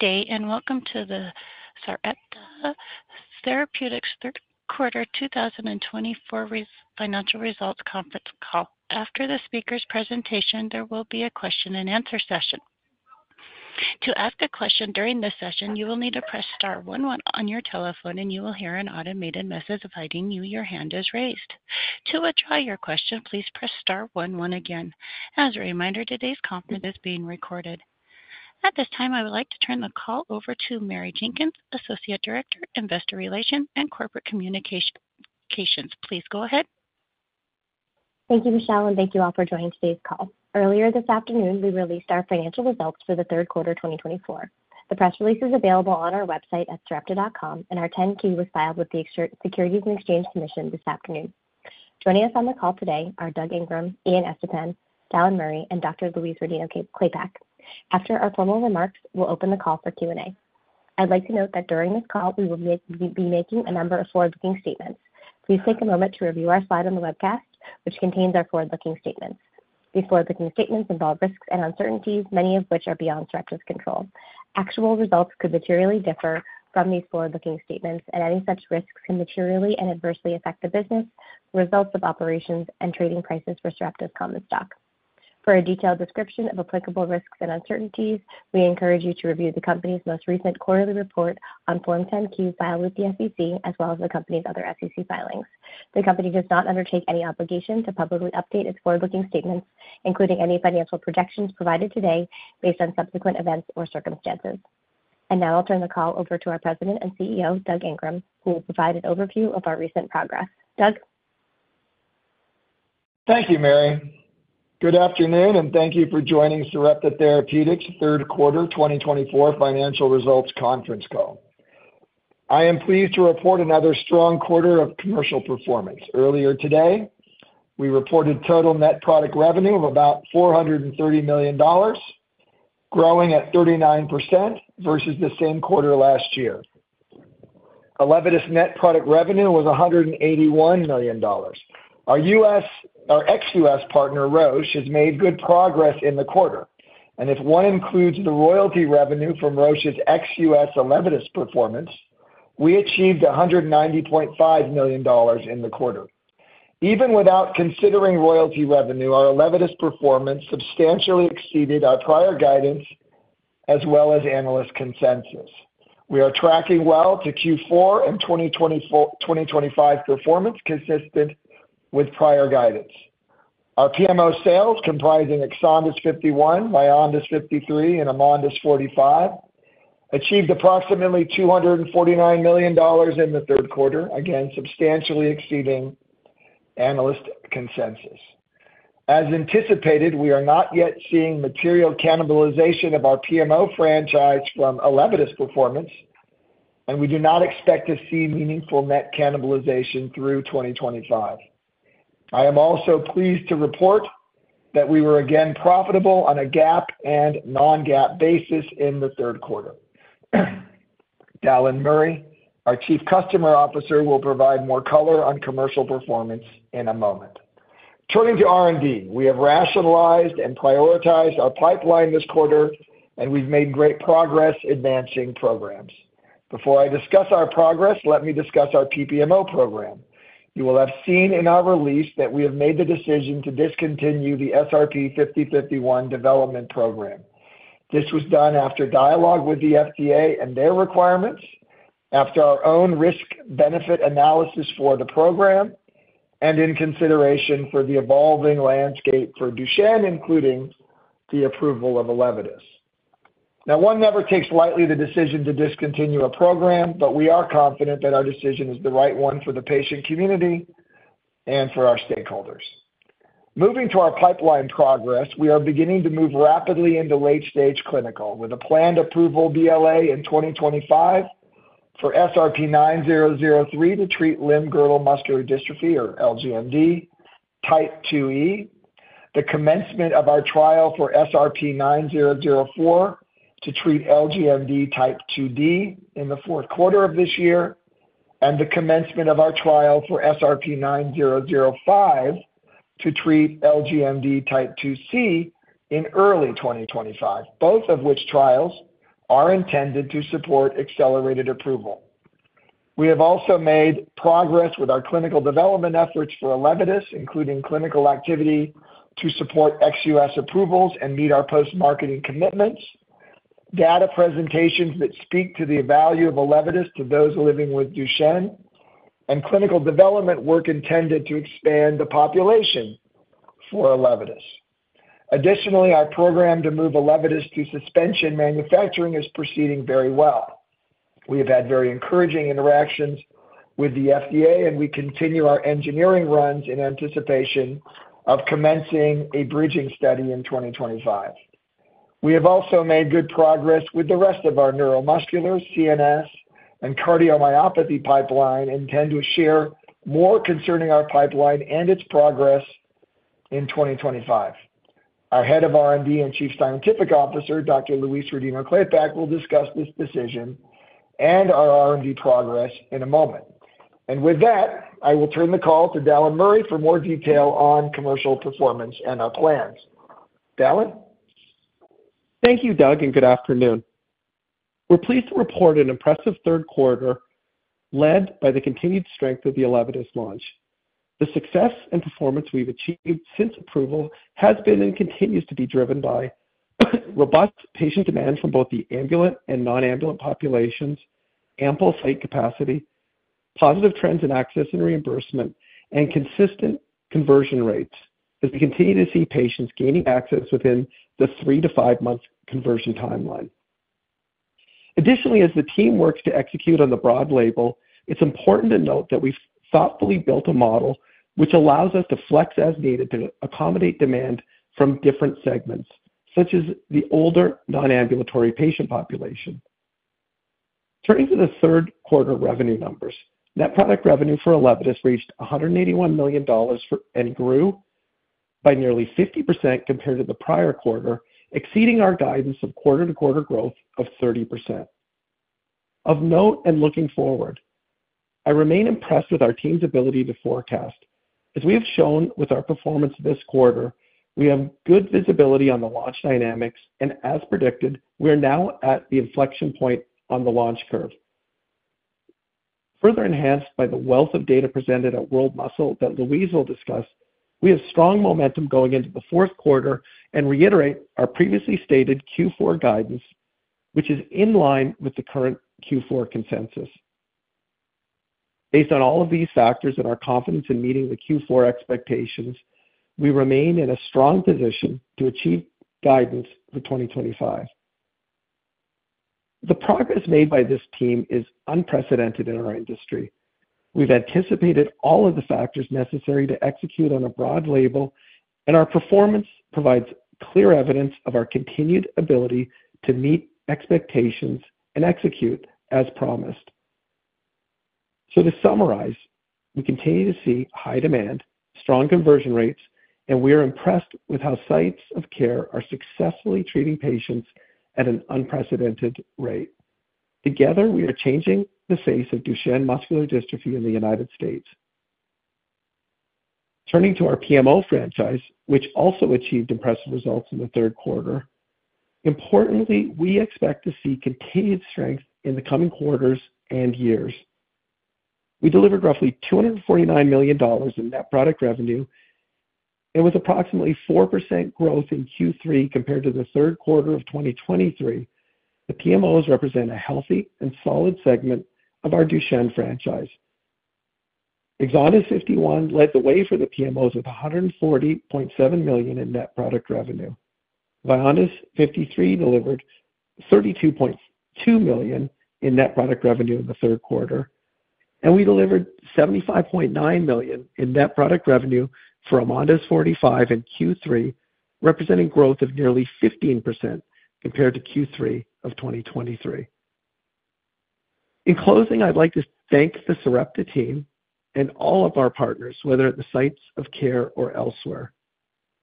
Good day and welcome to the Sarepta Therapeutics Third Quarter 2024 Financial Results Conference call. After the speaker's presentation, there will be a question-and-answer session. To ask a question during this session, you will need to press star 11 on your telephone, and you will hear an automated message confirming that your hand is raised. To withdraw your question, please press star 11 again. As a reminder, today's conference is being recorded. At this time, I would like to turn the call over to Mary Jenkins, Associate Director, Investor Relations and Corporate Communications. Please go ahead. Thank you, Michelle, and thank you all for joining today's call. Earlier this afternoon, we released our financial results for the third quarter 2024. The press release is available on our website at sarepta.com, and our 10-K was filed with the Securities and Exchange Commission this afternoon. Joining us on the call today are Doug Ingram, Ian Estepan, Dallan Murray, and Dr. Louise Rodino-Klapac. After our formal remarks, we'll open the call for Q&A. I'd like to note that during this call, we will be making a number of forward-looking statements. Please take a moment to review our slide on the webcast, which contains our forward-looking statements. These forward-looking statements involve risks and uncertainties, many of which are beyond Sarepta's control. Actual results could materially differ from these forward-looking statements, and any such risks can materially and adversely affect the business, results of operations, and trading prices for Sarepta's common stock. For a detailed description of applicable risks and uncertainties, we encourage you to review the company's most recent quarterly report on Form 10-K filed with the SEC, as well as the company's other SEC filings. The company does not undertake any obligation to publicly update its forward-looking statements, including any financial projections provided today based on subsequent events or circumstances, and now I'll turn the call over to our President and CEO, Doug Ingram, who will provide an overview of our recent progress. Doug. Thank you, Mary. Good afternoon, and thank you for joining Sarepta Therapeutics Third Quarter 2024 Financial Results Conference call. I am pleased to report another strong quarter of commercial performance. Earlier today, we reported total net product revenue of about $430 million, growing at 39% versus the same quarter last year. Elevidys net product revenue was $181 million. Our ex-US partner, Roche, has made good progress in the quarter. And if one includes the royalty revenue from Roche's ex-US Elevidys performance, we achieved $190.5 million in the quarter. Even without considering royalty revenue, our Elevidys performance substantially exceeded our prior guidance, as well as analyst consensus. We are tracking well to Q4 and 2025 performance consistent with prior guidance. Our PMO sales, comprising Exondys 51, Vyondys 53, and Amondys 45, achieved approximately $249 million in the third quarter, again substantially exceeding analyst consensus. As anticipated, we are not yet seeing material cannibalization of our PMO franchise from Elevidys performance, and we do not expect to see meaningful net cannibalization through 2025. I am also pleased to report that we were again profitable on a GAAP and non-GAAP basis in the third quarter. Dallan Murray, our Chief Customer Officer, will provide more color on commercial performance in a moment. Turning to R&D, we have rationalized and prioritized our pipeline this quarter, and we've made great progress advancing programs. Before I discuss our progress, let me discuss our PPMO program. You will have seen in our release that we have made the decision to discontinue the SRP-5051 development program. This was done after dialogue with the FDA and their requirements, after our own risk-benefit analysis for the program, and in consideration for the evolving landscape for Duchenne, including the approval of Elevidys.Now, one never takes lightly the decision to discontinue a program, but we are confident that our decision is the right one for the patient community and for our stakeholders. Moving to our pipeline progress, we are beginning to move rapidly into late-stage clinical with a planned approval BLA in 2025 for SRP-9003 to treat limb-girdle muscular dystrophy, or LGMD, type 2E, the commencement of our trial for SRP-9004 to treat LGMD type 2D in the fourth quarter of this year, and the commencement of our trial for SRP-9005 to treat LGMD type 2C in early 2025, both of which trials are intended to support accelerated approval. We have also made progress with our clinical development efforts for Elevidys, including clinical activity to support ex-U.S. approvals and meet our post-marketing commitments, data presentations that speak to the value of Elevidys to those living with Duchenne, and clinical development work intended to expand the population for Elevidys. Additionally, our program to move Elevidys to suspension manufacturing is proceeding very well. We have had very encouraging interactions with the FDA, and we continue our engineering runs in anticipation of commencing a bridging study in 2025. We have also made good progress with the rest of our neuromuscular, CNS, and cardiomyopathy pipeline and intend to share more concerning our pipeline and its progress in 2025. Our Head of R&D and Chief Scientific Officer, Dr. Louise Rodino-Klapac, will discuss this decision and our R&D progress in a moment. And with that, I will turn the call to Dallan Murray for more detail on commercial performance and our plans. Dallan? Thank you, Doug, and good afternoon. We're pleased to report an impressive third quarter led by the continued strength of the Elevidys launch. The success and performance we've achieved since approval has been and continues to be driven by robust patient demand from both the ambulatory and non-ambulatory populations, ample site capacity, positive trends in access and reimbursement, and consistent conversion rates as we continue to see patients gaining access within the three- to five-month conversion timeline. Additionally, as the team works to execute on the broad label, it's important to note that we've thoughtfully built a model which allows us to flex as needed to accommodate demand from different segments, such as the older non-ambulatory patient population. Turning to the third quarter revenue numbers, net product revenue for Elevidys reached $181 million and grew by nearly 50% compared to the prior quarter, exceeding our guidance of quarter-to-quarter growth of 30%. Of note and looking forward, I remain impressed with our team's ability to forecast. As we have shown with our performance this quarter, we have good visibility on the launch dynamics, and as predicted, we are now at the inflection point on the launch curve. Further enhanced by the wealth of data presented at World Muscle Society that Louise will discuss, we have strong momentum going into the fourth quarter and reiterate our previously stated Q4 guidance, which is in line with the current Q4 consensus. Based on all of these factors and our confidence in meeting the Q4 expectations, we remain in a strong position to achieve guidance for 2025.The progress made by this team is unprecedented in our industry. We've anticipated all of the factors necessary to execute on a broad label, and our performance provides clear evidence of our continued ability to meet expectations and execute as promised. So to summarize, we continue to see high demand, strong conversion rates, and we are impressed with how sites of care are successfully treating patients at an unprecedented rate. Together, we are changing the face of Duchenne muscular dystrophy in the United States.Turning to our PMO franchise, which also achieved impressive results in the third quarter, importantly, we expect to see continued strength in the coming quarters and years. We delivered roughly $249 million in net product revenue, and with approximately 4% growth in Q3 compared to the third quarter of 2023, the PMOs represent a healthy and solid segment of our Duchenne franchise. EXONDYS 51 led the way for the PMOs with $140.7 million in net product revenue. VYONDYS 53 delivered $32.2 million in net product revenue in the third quarter, and we delivered $75.9 million in net product revenue for AMONDYS 45 in Q3, representing growth of nearly 15% compared to Q3 of 2023. In closing, I'd like to thank the Sarepta team and all of our partners, whether at the sites of care or elsewhere.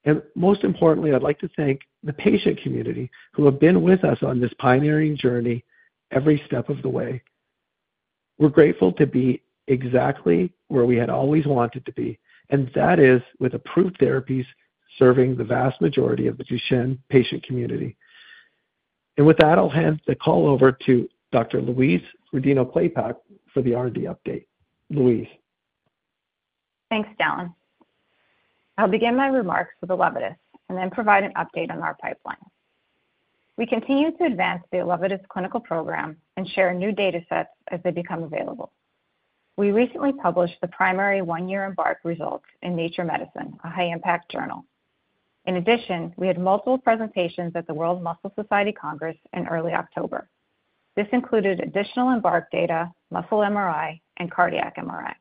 And most importantly, I'd like to thank the patient community who have been with us on this pioneering journey every step of the way. We're grateful to be exactly where we had always wanted to be, and that is with approved therapies serving the vast majority of the Duchenne patient community. And with that, I'll hand the call over to Dr. Louise Rodino-Klapac for the R&D update. Louise. Thanks, Dallan. I'll begin my remarks with Elevidys and then provide an update on our pipeline. We continue to advance the Elevidys clinical program and share new data sets as they become available. We recently published the primary one-year EMBARK results in Nature Medicine, a high-impact journal. In addition, we had multiple presentations at the World Muscle Society Congress in early October. This included additional EMBARK data, muscle MRI, and cardiac MRI.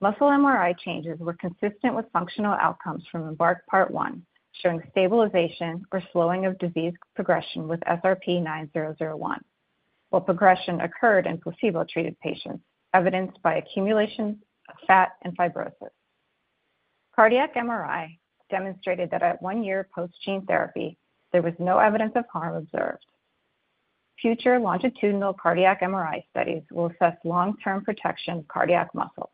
Muscle MRI changes were consistent with functional outcomes from EMBARK part one, showing stabilization or slowing of disease progression with SRP-9001, while progression occurred in placebo-treated patients, evidenced by accumulation of fat and fibrosis. Cardiac MRI demonstrated that at one year post-gene therapy, there was no evidence of harm observed. Future longitudinal cardiac MRI studies will assess long-term protection of cardiac muscle.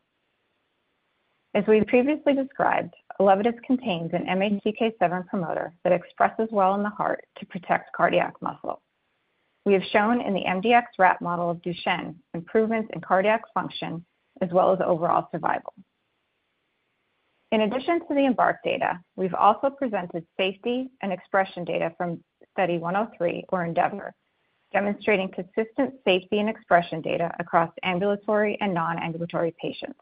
As we previously described, Elevidys contains an MHC-K7 promoter that expresses well in the heart to protect cardiac muscle. We have shown in the MDX RAT model of Duchenne improvements in cardiac function as well as overall survival. In addition to the EMBARK data, we've also presented safety and expression data from study 103 or ENDEAVOR, demonstrating consistent safety and expression data across ambulatory and non-ambulatory patients.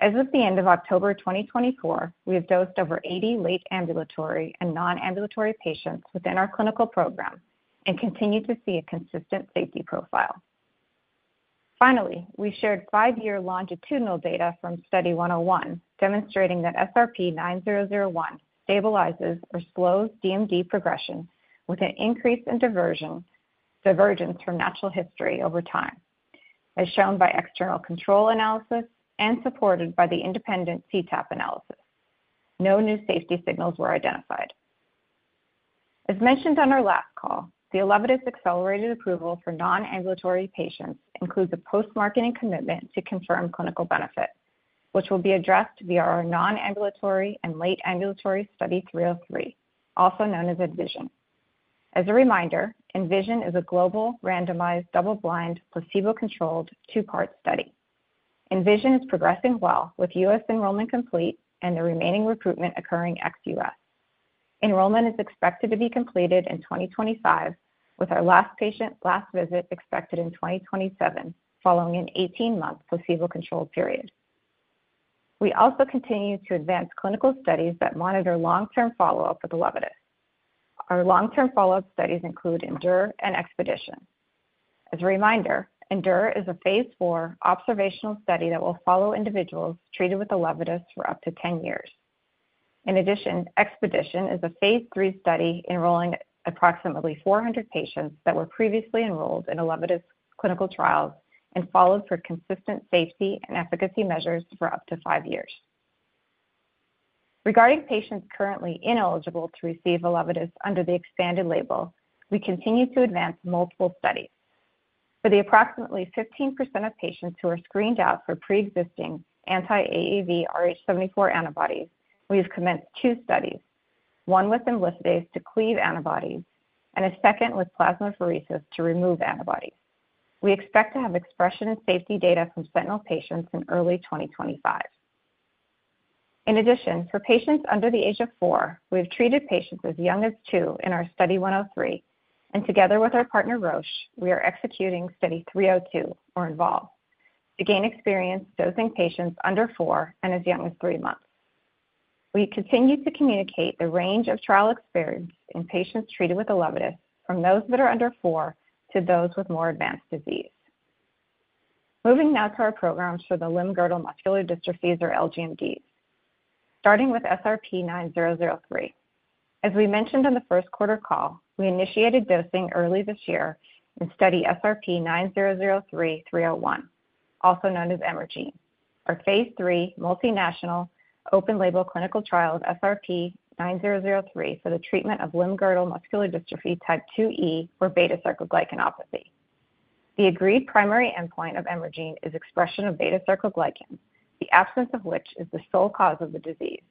As of the end of October 2024, we have dosed over 80 late ambulatory and non-ambulatory patients within our clinical program and continue to see a consistent safety profile. Finally, we shared five-year longitudinal data from study 101, demonstrating that SRP-9001 stabilizes or slows DMD progression with an increase in divergence from natural history over time, as shown by external control analysis and supported by the independent cTAP analysis. No new safety signals were identified. As mentioned on our last call, the Elevidys accelerated approval for non-ambulatory patients includes a post-marketing commitment to confirm clinical benefit, which will be addressed via our non-ambulatory and late ambulatory study 303, also known as ENVISION.As a reminder, ENVISION is a global, randomized, double-blind, placebo-controlled two-part study. ENVISION is progressing well with U.S. enrollment complete and the remaining recruitment occurring ex-U.S. Enrollment is expected to be completed in 2025, with our last patient last visit expected in 2027, following an 18-month placebo-controlled period. We also continue to advance clinical studies that monitor long-term follow-up with Elevidys. Our long-term follow-up studies include ENDUR and EXPEDITION. As a reminder, ENDUR is a phase four observational study that will follow individuals treated with Elevidys for up to 10 years. In addition, EXPEDITION is a phase 3 study enrolling approximately 400 patients that were previously enrolled in Elevidys clinical trials and followed for consistent safety and efficacy measures for up to five years. Regarding patients currently ineligible to receive Elevidys under the expanded label, we continue to advance multiple studies. For the approximately 15% of patients who are screened out for pre-existing anti-AAVrh74 antibodies, we have commenced two studies, one with imlifidase to cleave antibodies and a second with plasmapheresis to remove antibodies. We expect to have expression and safety data from sentinel patients in early 2025. In addition, for patients under the age of four, we have treated patients as young as two in our study 103, and together with our partner, Roche, we are executing study 302 or INVOLVE to gain experience dosing patients under four and as young as three months. We continue to communicate the range of trial experience in patients treated with Elevidys from those that are under four to those with more advanced disease. Moving now to our programs for the limb-girdle muscular dystrophies, or LGMDs, starting with SRP-9003. As we mentioned in the first quarter call, we initiated dosing early this year in study SRP-9003-301, also known as EMERGENE, our phase III multinational open-label clinical trial of SRP-9003 for the treatment of limb-girdle muscular dystrophy type 2E or beta-sarcoglycanopathy. The agreed primary endpoint of EMERGENE is expression of beta-sarcoglycan, the absence of which is the sole cause of the disease.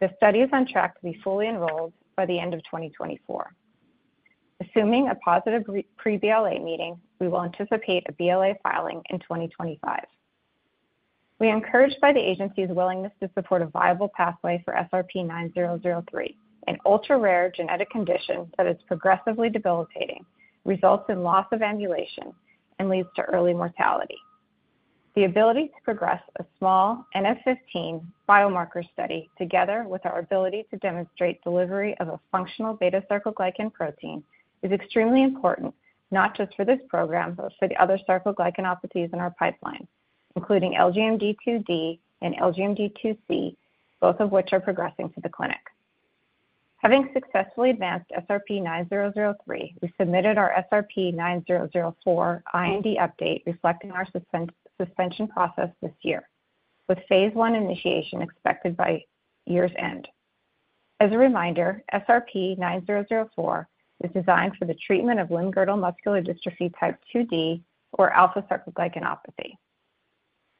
The study is on track to be fully enrolled by the end of 2024. Assuming a positive pre-BLA meeting, we will anticipate a BLA filing in 2025.We are encouraged by the agency's willingness to support a viable pathway for SRP-9003, an ultra-rare genetic condition that is progressively debilitating, results in loss of ambulation, and leads to early mortality. The ability to progress a small n-of-15 biomarker study together with our ability to demonstrate delivery of a functional beta-sarcoglycan protein is extremely important, not just for this program, but for the other sarcoglycanopathies in our pipeline, including LGMD2D and LGMD2C, both of which are progressing to the clinic. Having successfully advanced SRP-9003, we submitted our SRP-9004 IND update reflecting our manufacturing process this year, with phase 1 initiation expected by year's end. As a reminder, SRP-9004 is designed for the treatment of limb-girdle muscular dystrophy type 2D or alpha-sarcoglycanopathy.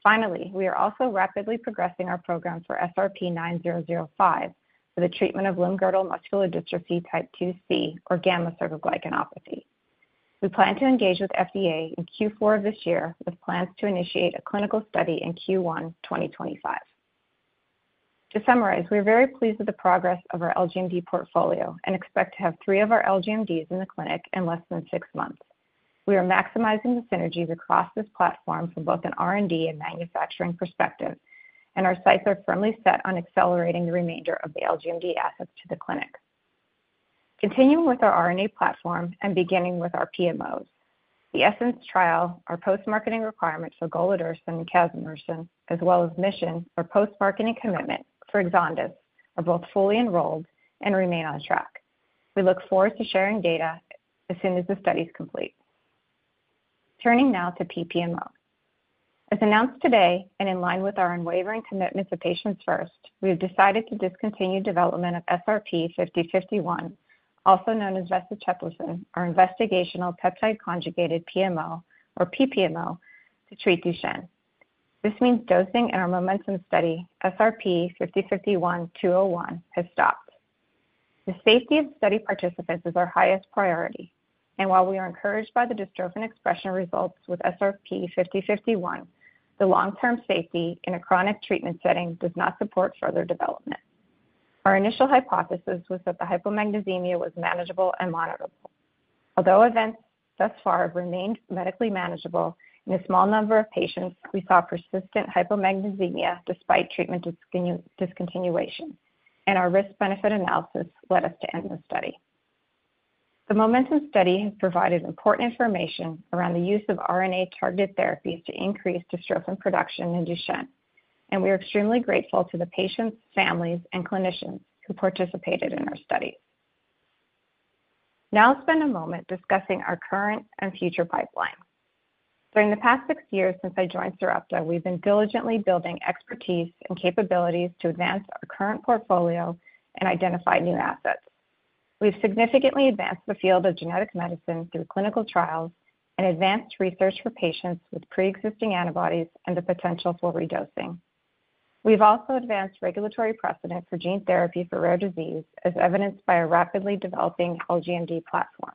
Finally, we are also rapidly progressing our programs for SRP-9005 for the treatment of limb-girdle muscular dystrophy type 2C or gamma-sarcoglycanopathy. We plan to engage with FDA in Q4 of this year with plans to initiate a clinical study in Q1 2025. To summarize, we are very pleased with the progress of our LGMD portfolio and expect to have three of our LGMDs in the clinic in less than six months. We are maximizing the synergies across this platform from both an R&D and manufacturing perspective, and our sites are firmly set on accelerating the remainder of the LGMD assets to the clinic. Continuing with our R&D platform and beginning with our PMOs, the ESSENCE trial, our post-marketing requirement for golodirsen and casimersen, as well as MISSION, our post-marketing commitment for Exondys 51, are both fully enrolled and remain on track. We look forward to sharing data as soon as the study is complete. Turning now to PPMO. As announced today and in line with our unwavering commitment to patients first, we have decided to discontinue development of SRP-5051, also known as Vesleteplirsen, our investigational peptide-conjugated PMO or PPMO, to treat Duchenne. This means dosing in our MOMENTUM study SRP-5051-201 has stopped. The safety of study participants is our highest priority, and while we are encouraged by the dystrophin expression results with SRP-5051, the long-term safety in a chronic treatment setting does not support further development. Our initial hypothesis was that the hypomagnesemia was manageable and monitorable. Although events thus far have remained medically manageable, in a small number of patients, we saw persistent hypomagnesemia despite treatment discontinuation, and our risk-benefit analysis led us to end the study. The MOMENTUM study has provided important information around the use of RNA-targeted therapies to increase dystrophin production in Duchenne, and we are extremely grateful to the patients, families, and clinicians who participated in our studies. Now I'll spend a moment discussing our current and future pipeline. During the past six years since I joined Sarepta, we've been diligently building expertise and capabilities to advance our current portfolio and identify new assets. We've significantly advanced the field of genetic medicine through clinical trials and advanced research for patients with pre-existing antibodies and the potential for redosing. We've also advanced regulatory precedent for gene therapy for rare disease, as evidenced by a rapidly developing LGMD platform.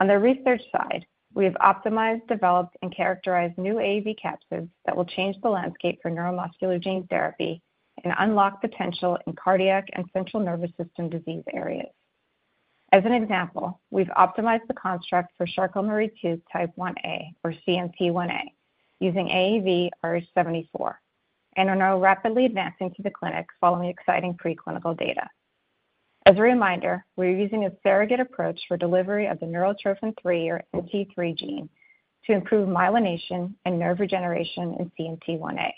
On the research side, we have optimized, developed, and characterized new AAV capsids that will change the landscape for neuromuscular gene therapy and unlock potential in cardiac and central nervous system disease areas. As an example, we've optimized the construct for Charcot-Marie-Tooth type 1A or CMT-1A using AAVrh74 and are now rapidly advancing to the clinic following exciting preclinical data. As a reminder, we're using a surrogate approach for delivery of the neurotrophin 3 or NT3 gene to improve myelination and nerve regeneration in CMT-1A.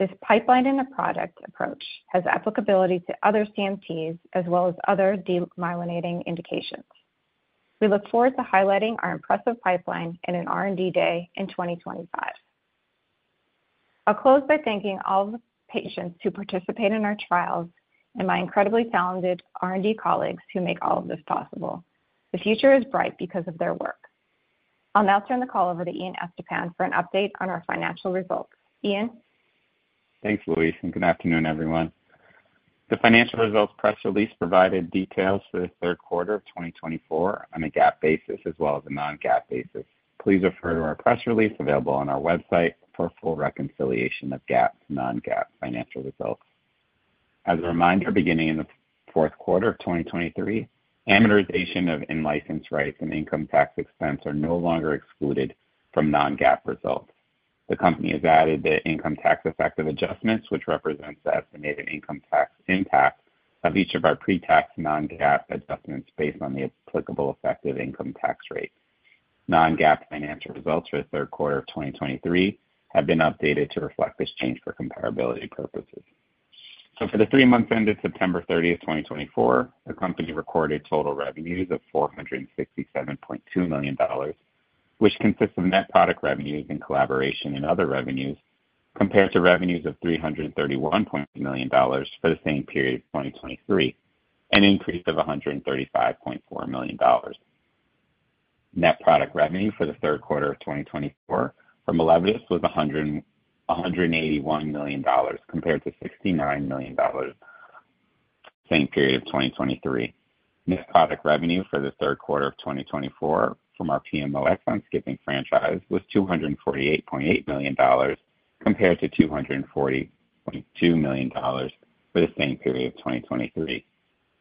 This pipeline and a product approach has applicability to other CMTs as well as other demyelinating indications. We look forward to highlighting our impressive pipeline in an R&D day in 2025. I'll close by thanking all of the patients who participate in our trials and my incredibly talented R&D colleagues who make all of this possible. The future is bright because of their work. I'll now turn the call over to Ian Estepan for an update on our financial results. Ian. Thanks, Louise, and good afternoon, everyone. The financial results press release provided details for the third quarter of 2024 on a GAAP basis as well as a non-GAAP basis. Please refer to our press release available on our website for full reconciliation of GAAP to non-GAAP financial results. As a reminder, beginning in the fourth quarter of 2023, amortization of in-license rights and income tax expense are no longer excluded from non-GAAP results. The company has added the income tax effective adjustments, which represents the estimated income tax impact of each of our pre-tax non-GAAP adjustments based on the applicable effective income tax rate. Non-GAAP financial results for the third quarter of 2023 have been updated to reflect this change for comparability purposes. For the three months ended September 30, 2024, the company recorded total revenues of $467.2 million, which consists of net product revenues, collaboration and other revenues compared to revenues of $331.2 million for the same period of 2023, an increase of $135.4 million. Net product revenue for the third quarter of 2024 from Elevidys was $181 million compared to $69 million the same period of 2023. Net product revenue for the third quarter of 2024 from our PMO exon-skipping franchise was $248.8 million compared to $240.2 million for the same period of 2023.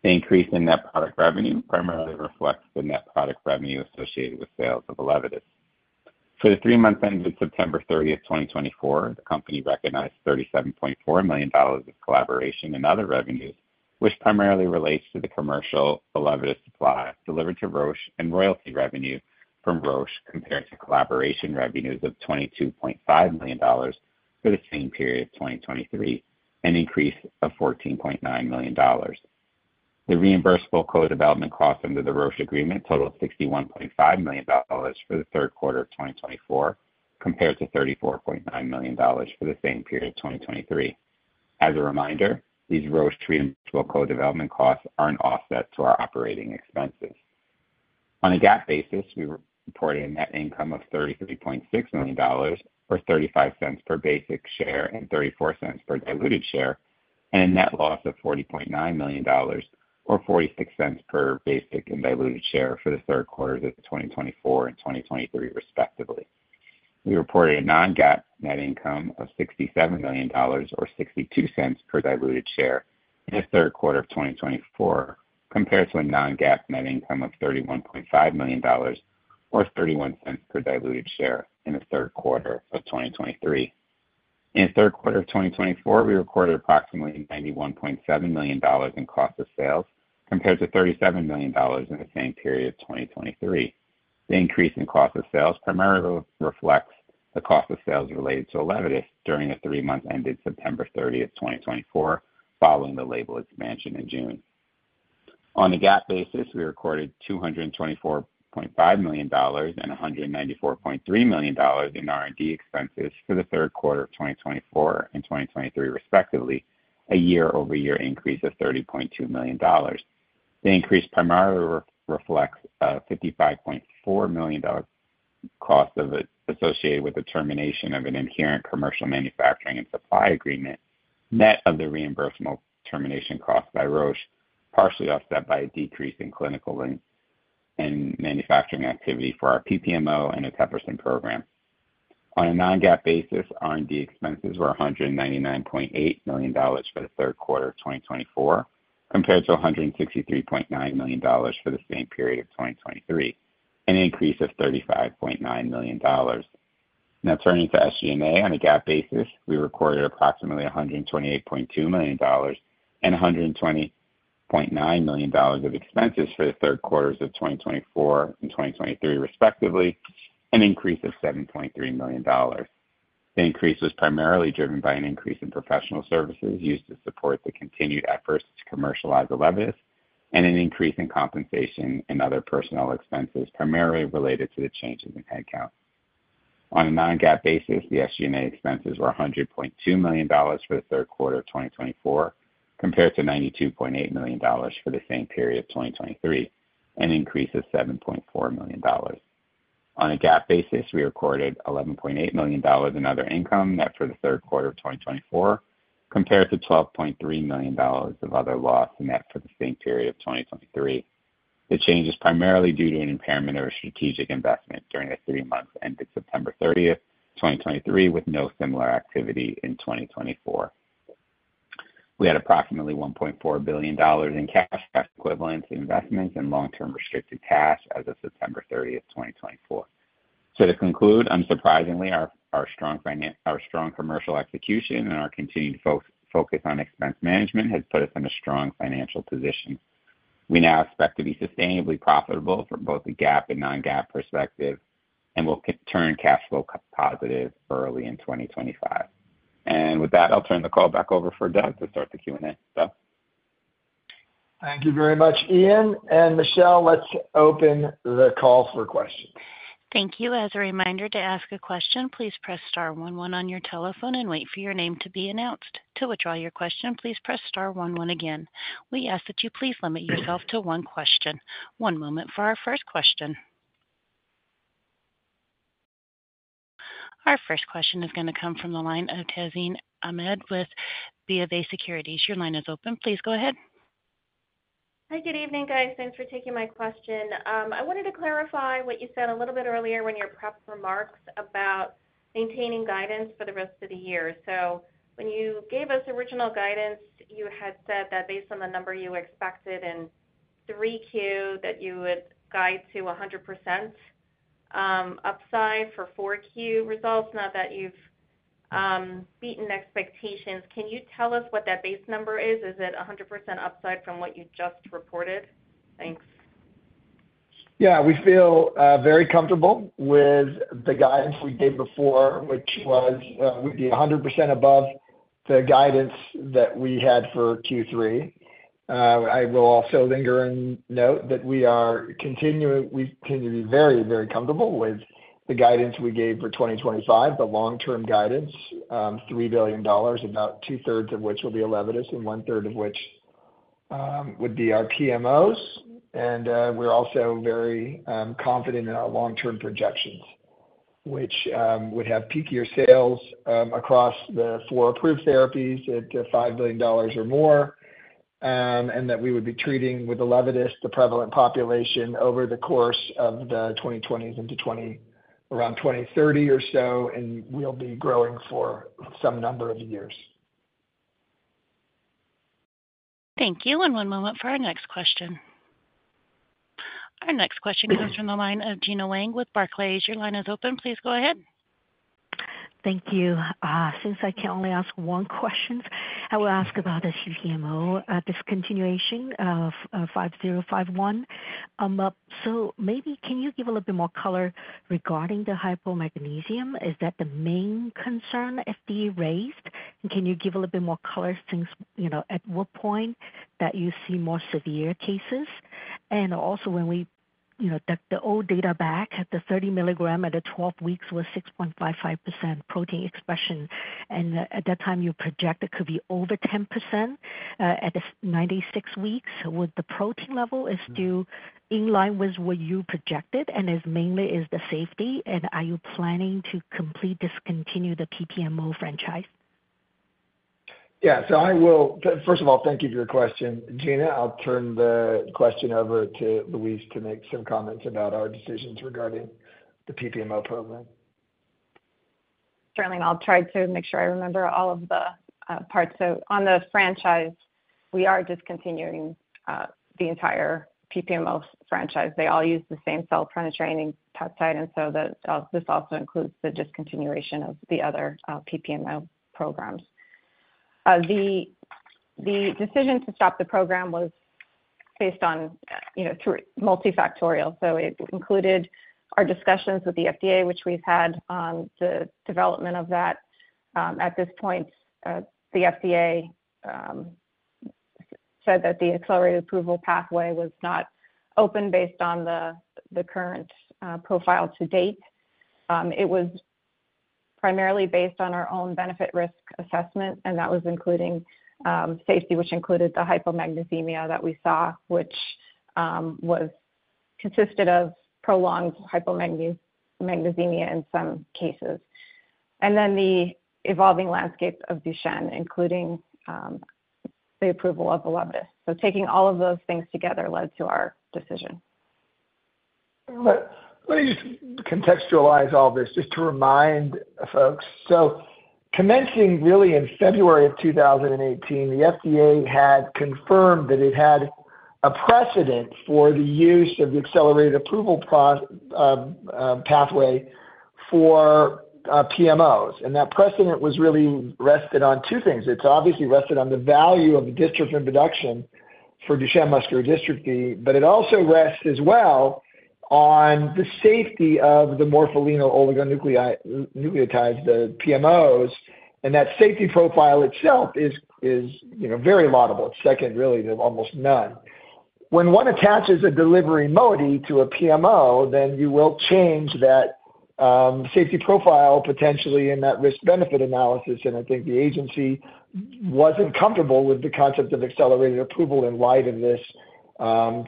The increase in net product revenue primarily reflects the net product revenue associated with sales of Elevidys. For the three months ended September 30, 2024, the company recognized $37.4 million of collaboration and other revenues, which primarily relates to the commercial Elevidys supply delivered to Roche and royalty revenue from Roche compared to collaboration revenues of $22.5 million for the same period of 2023, an increase of $14.9 million. The reimbursable co-development cost under the Roche agreement totaled $61.5 million for the third quarter of 2024 compared to $34.9 million for the same period of 2023. As a reminder, these Roche reimbursable co-development costs are an offset to our operating expenses. On a GAAP basis, we reported a net income of $33.6 million or $0.35 per basic share and $0.34 per diluted share, and a net loss of $40.9 million or $0.46 per basic and diluted share for the third quarters of 2024 and 2023, respectively. We reported a non-GAAP net income of $67 million or 62 cents per diluted share in the third quarter of 2024 compared to a non-GAAP net income of $31.5 million or 31 cents per diluted share in the third quarter of 2023. In the third quarter of 2024, we recorded approximately $91.7 million in cost of sales compared to $37 million in the same period of 2023. The increase in cost of sales primarily reflects the cost of sales related to Elevidys during the three months ended September 30, 2024, following the label expansion in June. On a GAAP basis, we recorded $224.5 million and $194.3 million in R&D expenses for the third quarter of 2024 and 2023, respectively, a year-over-year increase of $30.2 million. The increase primarily reflects a $55.4 million cost associated with the termination of an inherent commercial manufacturing and supply agreement, net of the reimbursable termination cost by Roche, partially offset by a decrease in clinical and manufacturing activity for our PPMO and SRP-9001 program. On a non-GAAP basis, R&D expenses were $199.8 million for the third quarter of 2024 compared to $163.9 million for the same period of 2023, an increase of $35.9 million. Now, turning to SG&A, on a GAAP basis, we recorded approximately $128.2 million and $120.9 million of expenses for the third quarters of 2024 and 2023, respectively, an increase of $7.3 million. The increase was primarily driven by an increase in professional services used to support the continued efforts to commercialize Elevidys and an increase in compensation and other personnel expenses primarily related to the changes in headcount. On a non-GAAP basis, the SG&A expenses were $100.2 million for the third quarter of 2024 compared to $92.8 million for the same period of 2023, an increase of $7.4 million. On a GAAP basis, we recorded $11.8 million in other income net for the third quarter of 2024 compared to $12.3 million of other loss net for the same period of 2023. The change is primarily due to an impairment of a strategic investment during the three months ended September 30, 2023, with no similar activity in 2024. We had approximately $1.4 billion in cash equivalent investments and long-term restricted cash as of September 30, 2024. So to conclude, unsurprisingly, our strong commercial execution and our continued focus on expense management has put us in a strong financial position. We now expect to be sustainably profitable from both the GAAP and non-GAAP perspective and will turn cash flow positive early in 2025. And with that, I'll turn the call back over for Doug to start the Q&A. Doug. Thank you very much, Ian. And Michelle, let's open the call for questions. Thank you. As a reminder to ask a question, please press star 11 on your telephone and wait for your name to be announced. To withdraw your question, please press star 11 again. We ask that you please limit yourself to one question. One moment for our first question. Our first question is going to come from the line of Tazeen Ahmad with Bank of America Securities. Your line is open. Please go ahead. Hi, good evening, guys. Thanks for taking my question. I wanted to clarify what you said a little bit earlier when your prep remarks about maintaining guidance for the rest of the year. So when you gave us original guidance, you had said that based on the number you expected in 3Q, that you would guide to 100% upside for 4Q results, now that you've beaten expectations. Can you tell us what that base number is? Is it 100% upside from what you just reported? Thanks. Yeah, we feel very comfortable with the guidance we gave before, which was we'd be 100% above the guidance that we had for Q3. I will also linger and note that we continue to be very, very comfortable with the guidance we gave for 2025, the long-term guidance, $3 billion, about two-thirds of which will be Elevidys and one-third of which would be our PMOs. We're also very confident in our long-term projections, which would have peak year sales across the four approved therapies at $5 billion or more, and that we would be treating with Elevidys the prevalent population over the course of the 2020s into around 2030 or so, and we'll be growing for some number of years. Thank you. And one moment for our next question. Our next question comes from the line of Gena Wang with Barclays. Your line is open. Please go ahead. Thank you. Since I can only ask one question, I will ask about the PPMO discontinuation of 5051. So maybe can you give a little bit more color regarding the hypomagnesemia? Is that the main concern FDA raised? And can you give a little bit more color since at what point that you see more severe cases? And also when we dug the old data back at the 30 milligram at the 12 weeks was 6.55% protein expression. And at that time, you projected it could be over 10% at 96 weeks. Would the protein level is still in line with what you projected? And mainly is the safety? And are you planning to completely discontinue the PPMO franchise? Yeah. So first of all, thank you for your question. Gena, I'll turn the question over to Louise to make some comments about our decisions regarding the PPMO program. Certainly, and I'll try to make sure I remember all of the parts. So on the franchise, we are discontinuing the entire PPMO franchise. They all use the same cell penetrating peptide. And so this also includes the discontinuation of the other PPMO programs. The decision to stop the program was based on multifactorial. So it included our discussions with the FDA, which we've had on the development of that. At this point, the FDA said that the accelerated approval pathway was not open based on the current profile to date. It was primarily based on our own benefit risk assessment, and that was including safety, which included the hypomagnesemia that we saw, which consisted of prolonged hypomagnesemia in some cases. And then the evolving landscape of Duchenne, including the approval of Elevidys. So taking all of those things together led to our decision. Let me just contextualize all this just to remind folks. So commencing really in February of 2018, the FDA had confirmed that it had a precedent for the use of the accelerated approval pathway for PMOs. And that precedent was really rested on two things. It's obviously rested on the value of the dystrophin production for Duchenne muscular dystrophy, but it also rests as well on the safety of the morpholino oligonucleotides, the PMOs. And that safety profile itself is very laudable. It's second, really, to almost none. When one attaches a delivery moiety to a PMO, then you will change that safety profile potentially in that risk-benefit analysis. And I think the agency wasn't comfortable with the concept of accelerated approval in light of this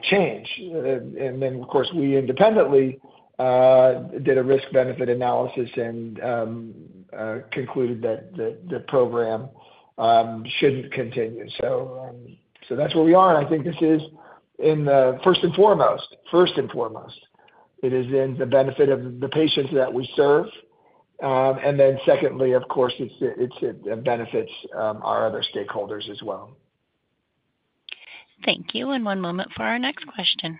change. And then, of course, we independently did a risk-benefit analysis and concluded that the program shouldn't continue. So that's where we are. And I think this is first and foremost, first and foremost. It is to the benefit of the patients that we serve. And then secondly, of course, it benefits our other stakeholders as well. Thank you. And one moment for our next question.